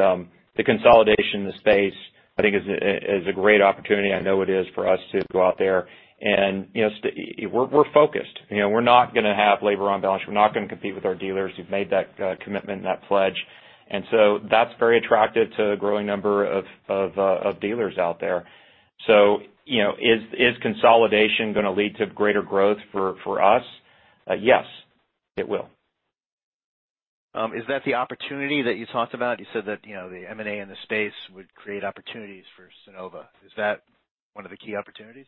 the consolidation in the space, I think, is a great opportunity. I know it is for us to go out there, and we're focused. We're not going to have labor on balance. We're not going to compete with our dealers. We've made that commitment and that pledge. That's very attractive to a growing number of dealers out there. Is consolidation going to lead to greater growth for us? Yes, it will. Is that the opportunity that you talked about? You said that the M&A in the space would create opportunities for Sunnova. Is that one of the key opportunities?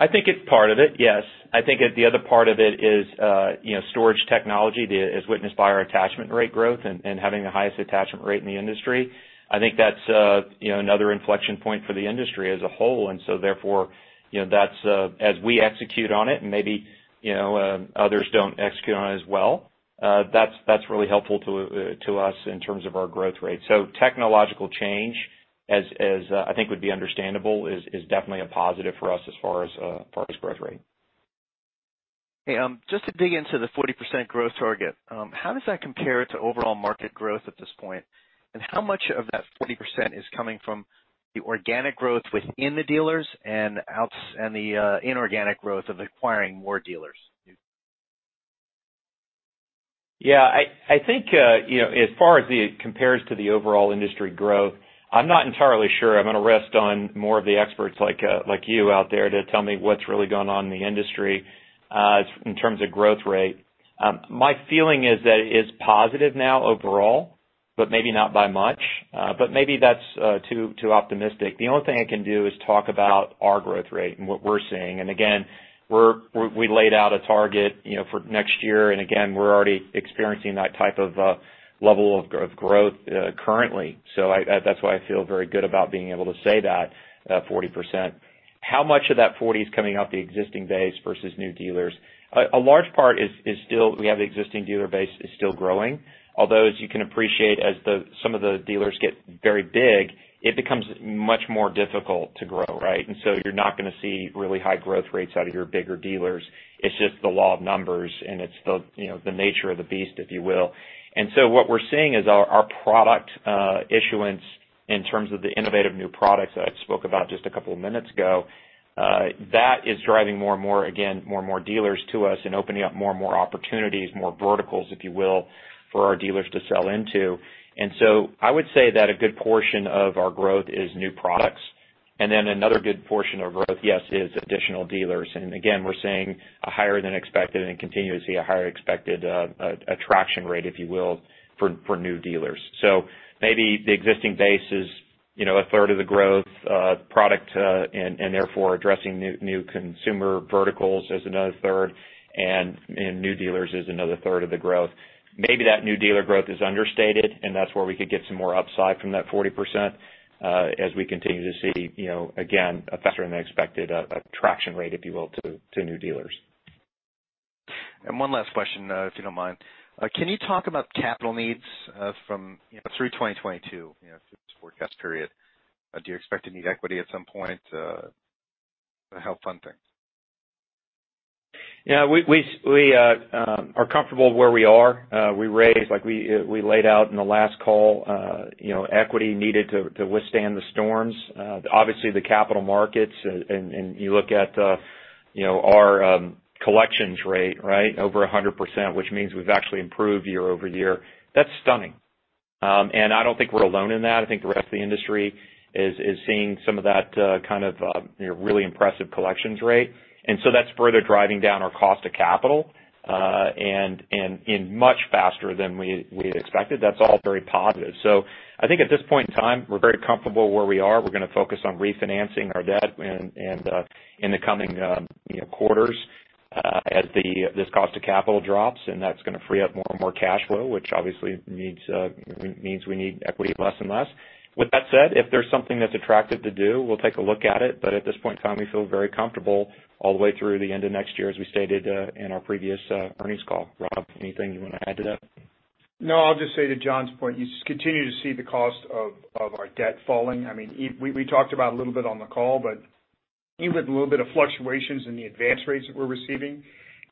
I think it's part of it, yes. I think the other part of it is storage technology as witnessed by our attachment rate growth and having the highest attachment rate in the industry. I think that's another inflection point for the industry as a whole. Therefore, as we execute on it and maybe others don't execute on it as well, that's really helpful to us in terms of our growth rate. Technological change, as I think would be understandable, is definitely a positive for us as far as growth rate. Hey, just to dig into the 40% growth target, how does that compare to overall market growth at this point? How much of that 40% is coming from the organic growth within the dealers and the inorganic growth of acquiring more dealers? I think as far as it compares to the overall industry growth, I'm not entirely sure. I'm going to rest on more of the experts like you out there to tell me what's really going on in the industry in terms of growth rate. My feeling is that it is positive now overall, but maybe not by much. Maybe that's too optimistic. The only thing I can do is talk about our growth rate and what we're seeing. Again, we laid out a target for next year. Again, we're already experiencing that type of level of growth currently. That's why I feel very good about being able to say that 40%. How much of that 40 is coming off the existing base versus new dealers? We have the existing dealer base is still growing. Although, as you can appreciate, as some of the dealers get very big, it becomes much more difficult to grow, right? You're not going to see really high growth rates out of your bigger dealers. It's just the law of numbers, and it's the nature of the beast, if you will. What we're seeing is our product issuance in terms of the innovative new products that I spoke about just a couple of minutes ago, that is driving more and more, again, dealers to us and opening up more and more opportunities, more verticals, if you will, for our dealers to sell into. I would say that a good portion of our growth is new products. Another good portion of growth, yes, is additional dealers. Again, we're seeing a higher than expected and continue to see a higher expected attraction rate, if you will, for new dealers. Maybe the existing base is a third of the growth product, and therefore addressing new consumer verticals as another third and new dealers is another third of the growth. Maybe that new dealer growth is understated, and that's where we could get some more upside from that 40%, as we continue to see again, a faster than expected attraction rate, if you will, to new dealers. One last question, if you don't mind. Can you talk about capital needs through 2022, through this forecast period? Do you expect to need equity at some point to help fund things? Yeah, we are comfortable where we are. We raised, like we laid out in the last call, equity needed to withstand the storms. Obviously, the capital markets, and you look at our collections rate, right, over 100%, which means we've actually improved year-over-year. That's stunning. I don't think we're alone in that. I think the rest of the industry is seeing some of that kind of really impressive collections rate. That's further driving down our cost of capital and in much faster than we had expected. That's all very positive. I think at this point in time, we're very comfortable where we are. We're going to focus on refinancing our debt in the coming quarters as this cost of capital drops, and that's going to free up more and more cash flow, which obviously means we need equity less and less. With that said, if there's something that's attractive to do, we'll take a look at it. At this point in time, we feel very comfortable all the way through the end of next year, as we stated in our previous earnings call. Rob, anything you want to add to that? No, I'll just say to John's point, you continue to see the cost of our debt falling. We talked about a little bit on the call, but even with a little bit of fluctuations in the advance rates that we're receiving,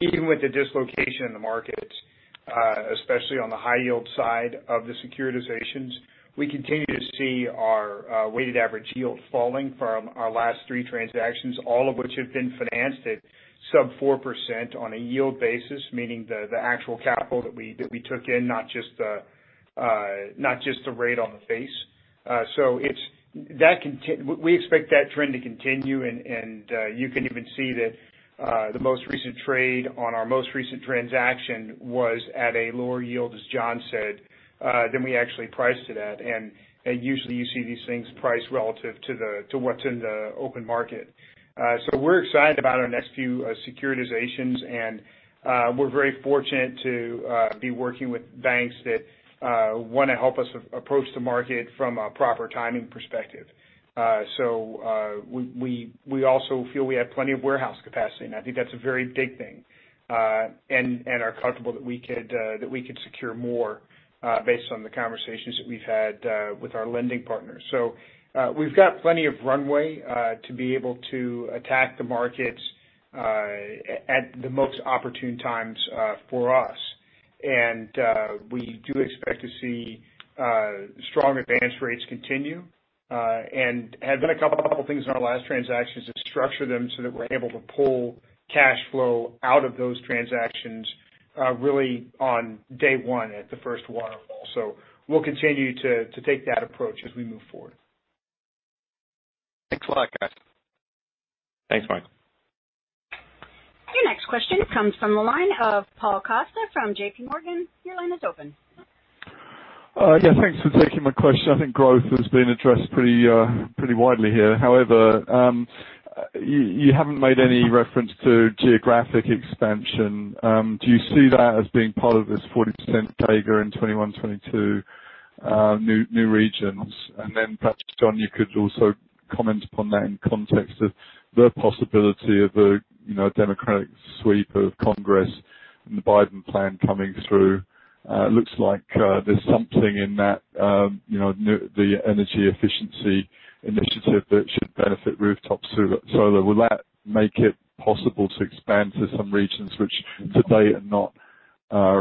even with the dislocation in the market, especially on the high yield side of the securitizations, we continue to see our weighted average yield falling from our last three transactions, all of which have been financed at sub 4% on a yield basis. Meaning the actual capital that we took in, not just the rate on the face. We expect that trend to continue. You can even see that the most recent trade on our most recent transaction was at a lower yield, as John said, than we actually priced it at. Usually, you see these things priced relative to what's in the open market. We're excited about our next few securitizations, and we're very fortunate to be working with banks that want to help us approach the market from a proper timing perspective. We also feel we have plenty of warehouse capacity, and I think that's a very big thing, and are comfortable that we could secure more based on the conversations that we've had with our lending partners. We've got plenty of runway to be able to attack the markets at the most opportune times for us. We do expect to see strong advance rates continue and have done a couple of things in our last transactions to structure them so that we're able to pull cash flow out of those transactions really on day one at the first waterfall. We'll continue to take that approach as we move forward. Thanks a lot, guys. Thanks, Mike. Your next question comes from the line of Paul Coster from JPMorgan. Your line is open. Yeah. Thanks for taking my question. I think growth has been addressed pretty widely here. However, you haven't made any reference to geographic expansion. Do you see that as being part of this 40% CAGR in 2021, 2022 new regions? Then perhaps, John, you could also comment upon that in context of the possibility of a Democratic sweep of Congress and the Biden plan coming through. It looks like there's something in that, the energy efficiency initiative that should benefit rooftop solar. Will that make it possible to expand to some regions which today are not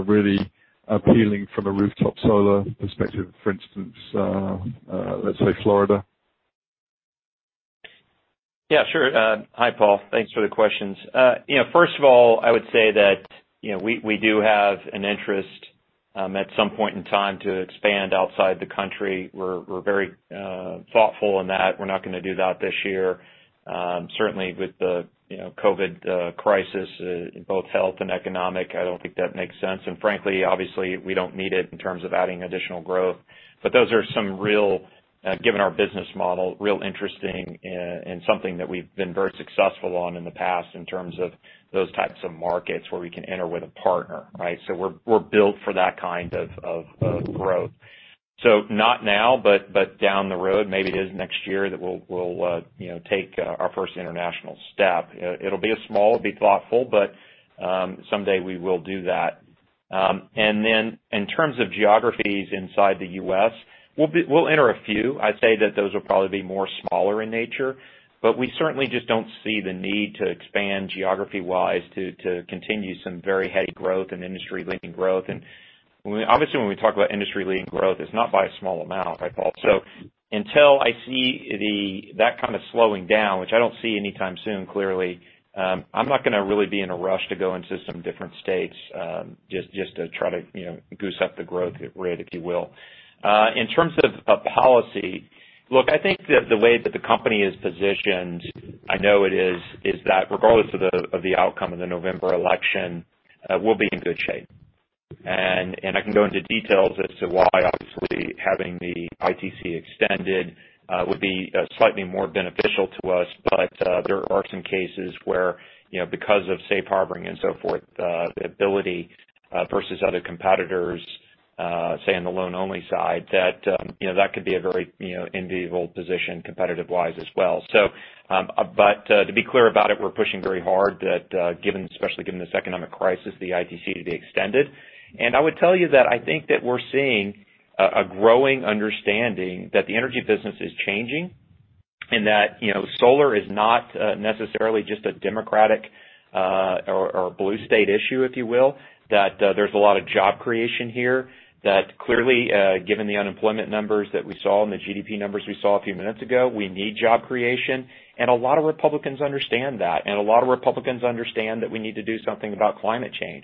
really appealing from a rooftop solar perspective, for instance, let's say Florida? Yeah, sure. Hi, Paul. Thanks for the questions. First of all, I would say that we do have an interest, at some point in time, to expand outside the country. We're very thoughtful in that. We're not going to do that this year. Certainly with the COVID-19 crisis, both health and economic, I don't think that makes sense. Frankly, obviously, we don't need it in terms of adding additional growth. Those are some real, given our business model, real interesting and something that we've been very successful on in the past in terms of those types of markets where we can enter with a partner. Right? We're built for that kind of growth. Not now, but down the road, maybe it is next year that we'll take our first international step. It'll be small, it'll be thoughtful, but someday we will do that. In terms of geographies inside the U.S., we'll enter a few. I'd say that those will probably be more smaller in nature, but we certainly just don't see the need to expand geography-wise to continue some very heady growth and industry-leading growth. Obviously, when we talk about industry-leading growth, it's not by a small amount, right, Paul? Until I see that kind of slowing down, which I don't see anytime soon, clearly, I'm not going to really be in a rush to go into some different states, just to try to goose up the growth rate, if you will. In terms of policy, look, I think that the way that the company is positioned, I know it is that regardless of the outcome of the November election, we'll be in good shape. I can go into details as to why. Obviously, having the ITC extended would be slightly more beneficial to us. There are some cases where because of safe harboring and so forth, the ability versus other competitors, say on the loan-only side, that could be a very enviable position competitive-wise as well. To be clear about it, we're pushing very hard that especially given this economic crisis, the ITC to be extended. I would tell you that I think that we're seeing a growing understanding that the energy business is changing and that solar is not necessarily just a Democratic or a blue state issue, if you will. There's a lot of job creation here. Clearly, given the unemployment numbers that we saw and the GDP numbers we saw a few minutes ago, we need job creation. A lot of Republicans understand that, and a lot of Republicans understand that we need to do something about climate change.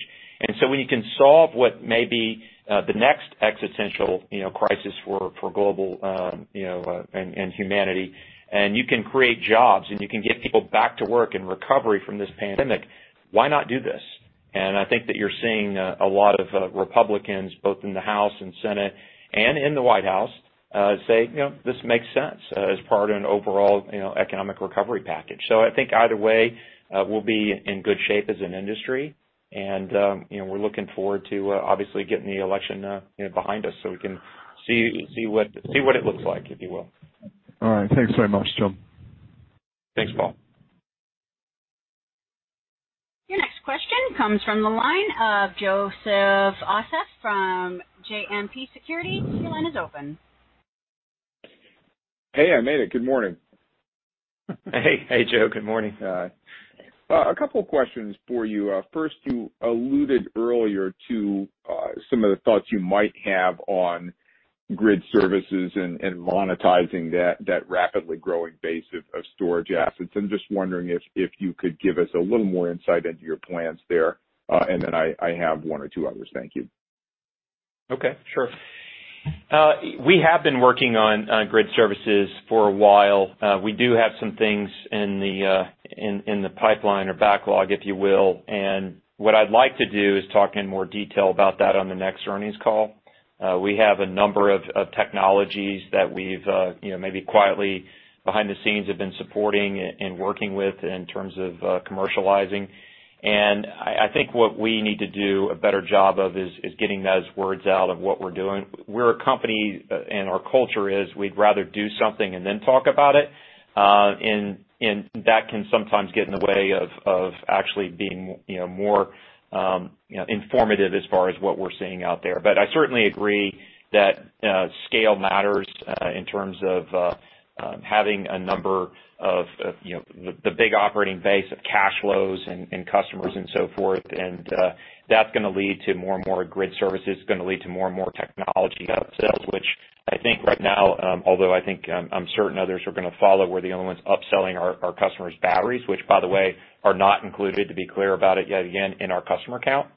When you can solve what may be the next existential crisis for global and humanity, and you can create jobs, and you can get people back to work in recovery from this pandemic, why not do this? I think that you're seeing a lot of Republicans, both in the House and Senate and in the White House say, "This makes sense as part of an overall economic recovery package." I think either way, we'll be in good shape as an industry. We're looking forward to obviously getting the election behind us so we can see what it looks like, if you will. All right. Thanks very much, John. Thanks, Paul. Your next question comes from the line of Joseph Osha from JMP Securities. Your line is open. Hey, I made it. Good morning. Hey, Joe. Good morning. A couple of questions for you. First, you alluded earlier to some of the thoughts you might have on grid services and monetizing that rapidly growing base of storage assets. I'm just wondering if you could give us a little more insight into your plans there. And then I have one or two others. Thank you. Okay, sure. We have been working on grid services for a while. We do have some things in the pipeline or backlog, if you will. What I'd like to do is talk in more detail about that on the next earnings call. We have a number of technologies that we've maybe quietly behind the scenes have been supporting and working with in terms of commercializing. I think what we need to do a better job of is getting those words out of what we're doing. We're a company, and our culture is we'd rather do something and then talk about it. That can sometimes get in the way of actually being more informative as far as what we're seeing out there. I certainly agree that scale matters in terms of having a number of the big operating base of cash flows and customers and so forth. That's going to lead to more and more grid services, it's going to lead to more and more technology upsells, which I think right now although I think I'm certain others are going to follow, we're the only ones upselling our customers batteries. Which by the way, are not included, to be clear about it yet again, in our customer count.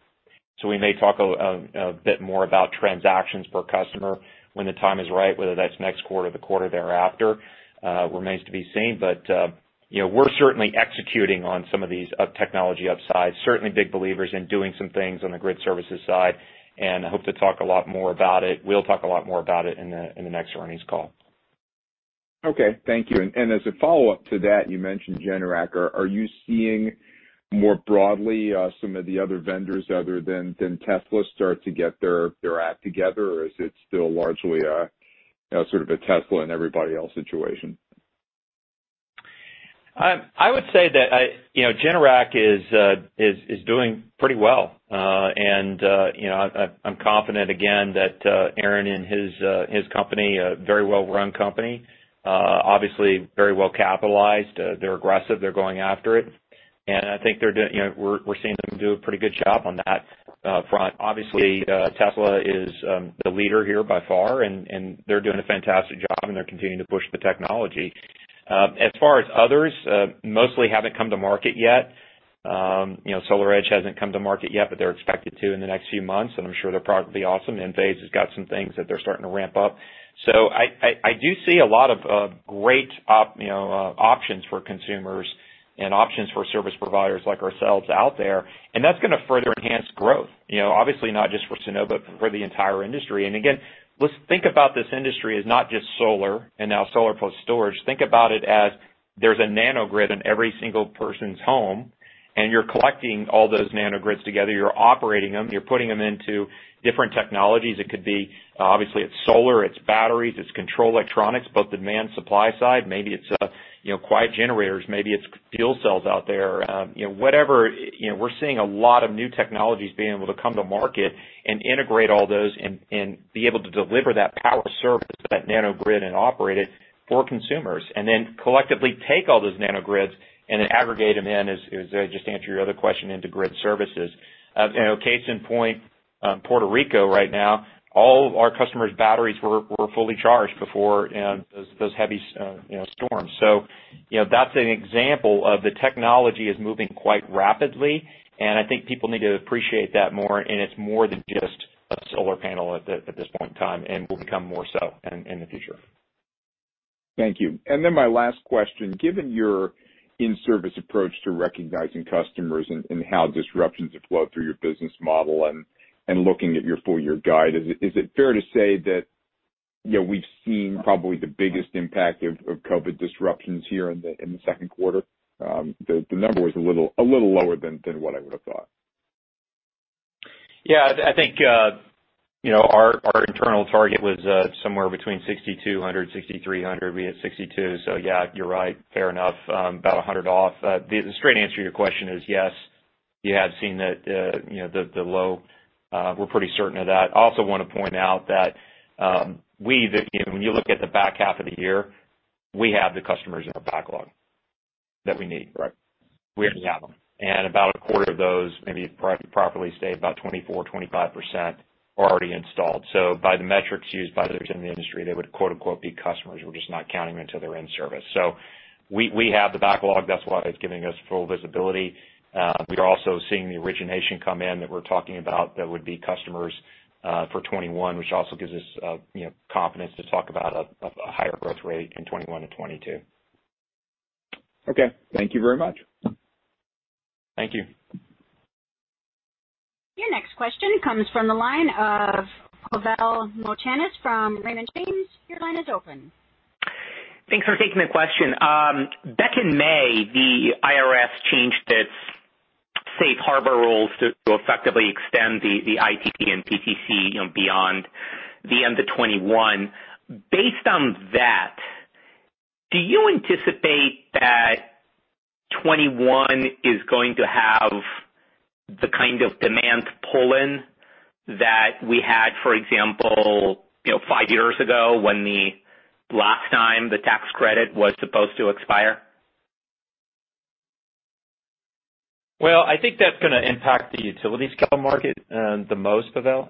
We may talk a bit more about transactions per customer when the time is right, whether that's next quarter, the quarter thereafter remains to be seen. We're certainly executing on some of these technology upsides. Certainly big believers in doing some things on the grid services side, and I hope to talk a lot more about it. We'll talk a lot more about it in the next earnings call. Okay. Thank you. As a follow-up to that, you mentioned Generac. Are you seeing more broadly some of the other vendors other than Tesla start to get their act together? Is it still largely sort of a Tesla and everybody else situation? I would say that Generac is doing pretty well. I'm confident again that Aaron and his company, a very well-run company, obviously very well capitalized. They're aggressive. They're going after it. I think we're seeing them do a pretty good job on that front. Obviously, Tesla is the leader here by far, and they're doing a fantastic job, they're continuing to push the technology. As far as others, mostly haven't come to market yet. SolarEdge hasn't come to market yet, but they're expected to in the next few months, I'm sure their product will be awesome. Enphase has got some things that they're starting to ramp up. I do see a lot of great options for consumers and options for service providers like ourselves out there, that's going to further enhance growth, obviously not just for Sunnova, for the entire industry. Again, let's think about this industry as not just solar and now solar plus storage. Think about it as there's a nanogrid in every single person's home, and you're collecting all those nanogrids together. You're operating them. You're putting them into different technologies. It could be, obviously it's solar, it's batteries, it's control electronics, both demand supply side. Maybe it's quiet generators. Maybe it's fuel cells out there. Whatever. We're seeing a lot of new technologies being able to come to market and integrate all those and be able to deliver that power service to that nanogrid and operate it for consumers. Then collectively take all those nanogrids and then aggregate them in, as I just answered your other question, into grid services. Case in point, Puerto Rico right now, all of our customers' batteries were fully charged before those heavy storms. That's an example of the technology is moving quite rapidly, and I think people need to appreciate that more, and it's more than just a solar panel at this point in time and will become more so in the future. Thank you. My last question. Given your in-service approach to recognizing customers and how disruptions have flowed through your business model and looking at your full-year guide, is it fair to say that we've seen probably the biggest impact of COVID-19 disruptions here in the second quarter? The number was a little lower than what I would have thought. Yeah. I think our internal target was somewhere between 6,200, 6,300. We hit 62. Yeah, you're right. Fair enough. About 100 off. The straight answer to your question is yes. You have seen the low. We're pretty certain of that. I also want to point out that when you look at the back half of the year, we have the customers in our backlog that we need. Right. We already have them. About a quarter of those, maybe properly say about 24%-25% are already installed. By the metrics used by others in the industry, they would quote unquote "be customers." We're just not counting them until they're in service. We have the backlog. That's why it's giving us full visibility. We are also seeing the origination come in that we're talking about that would be customers for 2021, which also gives us confidence to talk about a higher growth rate in 2021 and 2022. Okay. Thank you very much. Thank you. Your next question comes from the line of Pavel Molchanov from Raymond James. Your line is open. Thanks for taking the question. Back in May, the IRS changed its safe harbor rules to effectively extend the ITC and PTC beyond the end of 2021. Based on that, do you anticipate that 2021 is going to have the kind of demand pull-in that we had, for example, five years ago when the last time the tax credit was supposed to expire? Well, I think that's going to impact the utility scale market the most, Pavel.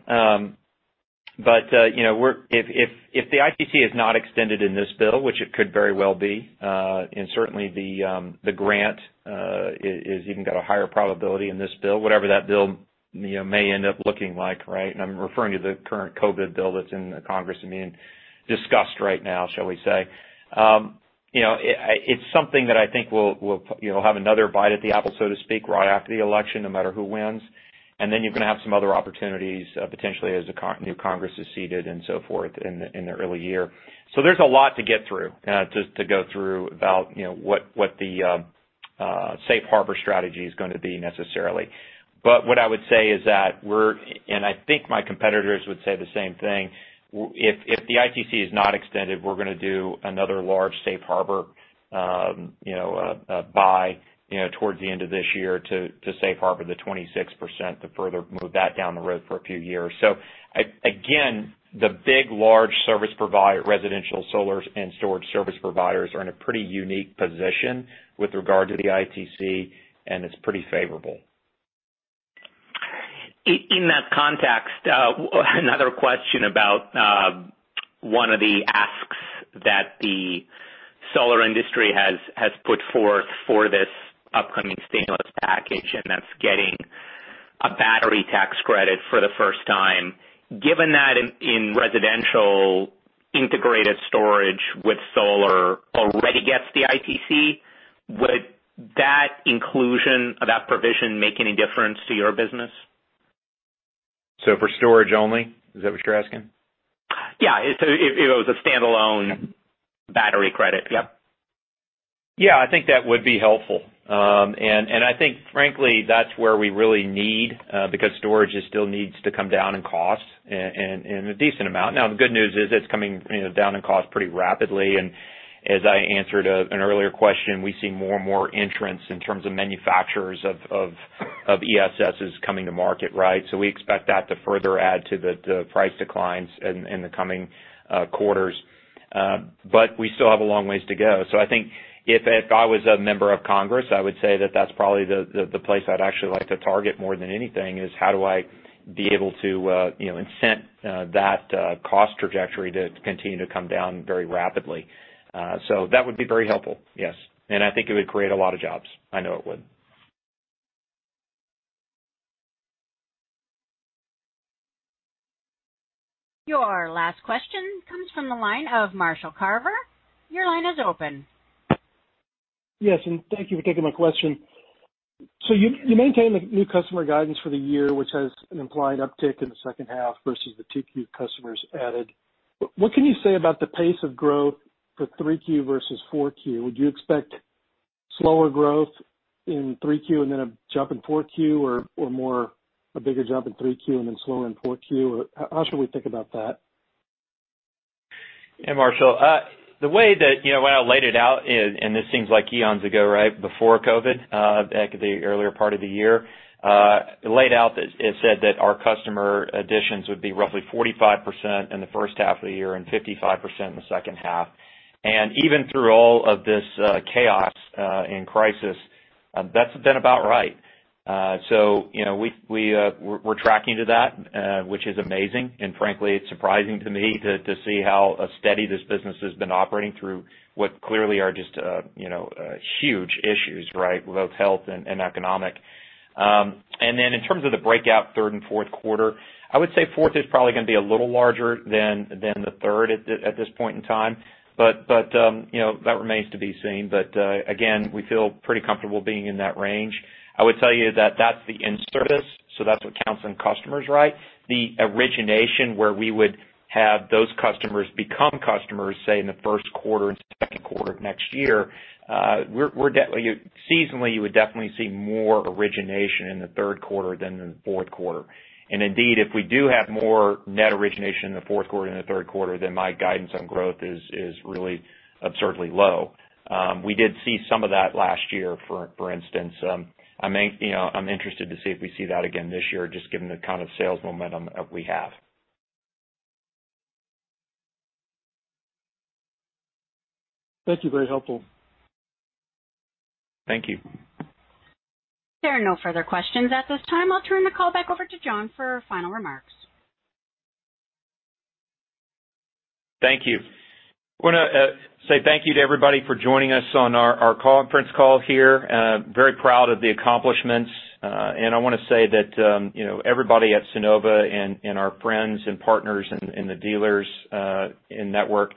If the ITC is not extended in this bill, which it could very well be, and certainly the grant has even got a higher probability in this bill, whatever that bill may end up looking like, right? I'm referring to the current COVID bill that's in the Congress being discussed right now, shall we say. It's something that I think we'll have another bite at the apple, so to speak, right after the election, no matter who wins. You're going to have some other opportunities, potentially as the new Congress is seated and so forth in the early year. There's a lot to get through to go through about what the safe harbor strategy is going to be necessarily. What I would say is that we're, and I think my competitors would say the same thing, if the ITC is not extended, we're going to do another large safe harbor buy towards the end of this year to safe harbor the 26% to further move that down the road for a few years. Again, the big large residential solar and storage service providers are in a pretty unique position with regard to the ITC, and it's pretty favorable. In that context, another question about one of the asks that the solar industry has put forth for this upcoming stimulus package, and that's getting a battery tax credit for the first time. Given that in residential integrated storage with solar already gets the ITC, would that inclusion of that provision make any difference to your business? For storage only? Is that what you're asking? Yeah. If it was a standalone battery credit. Yep. Yeah, I think that would be helpful. I think frankly, that's where we really need because storage still needs to come down in cost in a decent amount. Now, the good news is it's coming down in cost pretty rapidly. As I answered an earlier question, we see more and more entrants in terms of manufacturers of ESS coming to market, right? We expect that to further add to the price declines in the coming quarters. We still have a long ways to go. I think if I was a member of Congress, I would say that that's probably the place I'd actually like to target more than anything, is how do I be able to incent that cost trajectory to continue to come down very rapidly. That would be very helpful, yes. I think it would create a lot of jobs. I know it would. Your last question comes from the line of Marshall Carver. Your line is open. Yes, thank you for taking my question. You maintain the new customer guidance for the year, which has an implied uptick in the second half versus the 2Q customers added. What can you say about the pace of growth for 3Q versus 4Q? Would you expect slower growth in 3Q and then a jump in 4Q, or more a bigger jump in 3Q and then slower in 4Q? How should we think about that? Yeah, Marshall. The way that when I laid it out, this seems like eons ago, right? Before COVID, like the earlier part of the year. Laid out, it said that our customer additions would be roughly 45% in the first half of the year and 55% in the second half. Even through all of this chaos and crisis, that's been about right. We're tracking to that, which is amazing, and frankly, it's surprising to me to see how steady this business has been operating through what clearly are just huge issues, right? Both health and economic. In terms of the breakout third and fourth quarter, I would say fourth is probably going to be a little larger than the third at this point in time. That remains to be seen. Again, we feel pretty comfortable being in that range. I would tell you that that's the in-service, so that's what counts in customers, right? The origination where we would have those customers become customers, say, in the first quarter and second quarter of next year, seasonally, you would definitely see more origination in the third quarter than in the fourth quarter. Indeed, if we do have more net origination in the fourth quarter than the third quarter, then my guidance on growth is really absurdly low. We did see some of that last year, for instance. I'm interested to see if we see that again this year, just given the kind of sales momentum that we have. Thank you. Very helpful. Thank you. There are no further questions at this time. I'll turn the call back over to John for final remarks. Thank you. I want to say thank you to everybody for joining us on our conference call here. Very proud of the accomplishments. I want to say that everybody at Sunnova and our friends and partners and the dealers and network,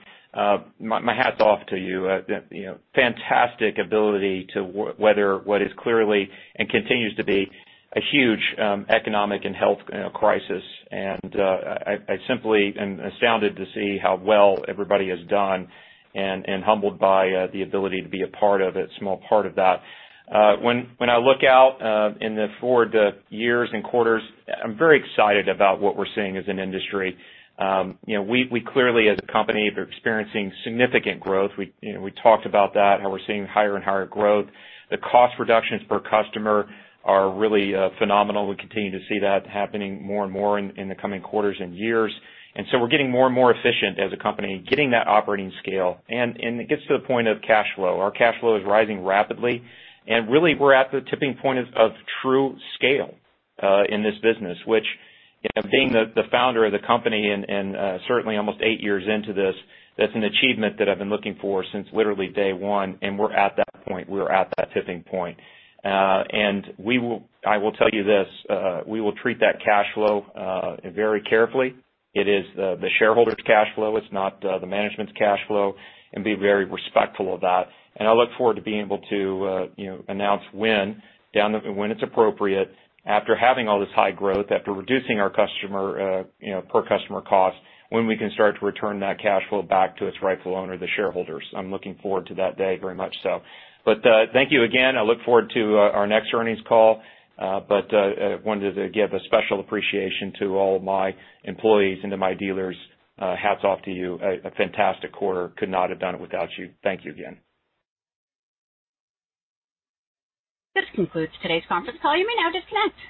my hat's off to you. Fantastic ability to weather what is clearly, and continues to be, a huge economic and health crisis. I simply am astounded to see how well everybody has done and humbled by the ability to be a part of it, a small part of that. When I look out in the forward years and quarters, I'm very excited about what we're seeing as an industry. We clearly, as a company, are experiencing significant growth. We talked about that, how we're seeing higher and higher growth. The cost reductions per customer are really phenomenal. We continue to see that happening more and more in the coming quarters and years. So we're getting more and more efficient as a company, getting that operating scale, and it gets to the point of cash flow. Our cash flow is rising rapidly, and really, we're at the tipping point of true scale in this business. Which, being the founder of the company and certainly almost eight years into this, that's an achievement that I've been looking for since literally day one, and we're at that point. We're at that tipping point. I will tell you this. We will treat that cash flow very carefully. It is the shareholders' cash flow. It's not the management's cash flow. Be very respectful of that. I look forward to being able to announce when it's appropriate, after having all this high growth, after reducing our per customer cost, when we can start to return that cash flow back to its rightful owner, the shareholders. I'm looking forward to that day very much so. Thank you again. I look forward to our next earnings call. I wanted to give a special appreciation to all of my employees and to my dealers. Hats off to you. A fantastic quarter. Could not have done it without you. Thank you again. This concludes today's conference call. You may now disconnect.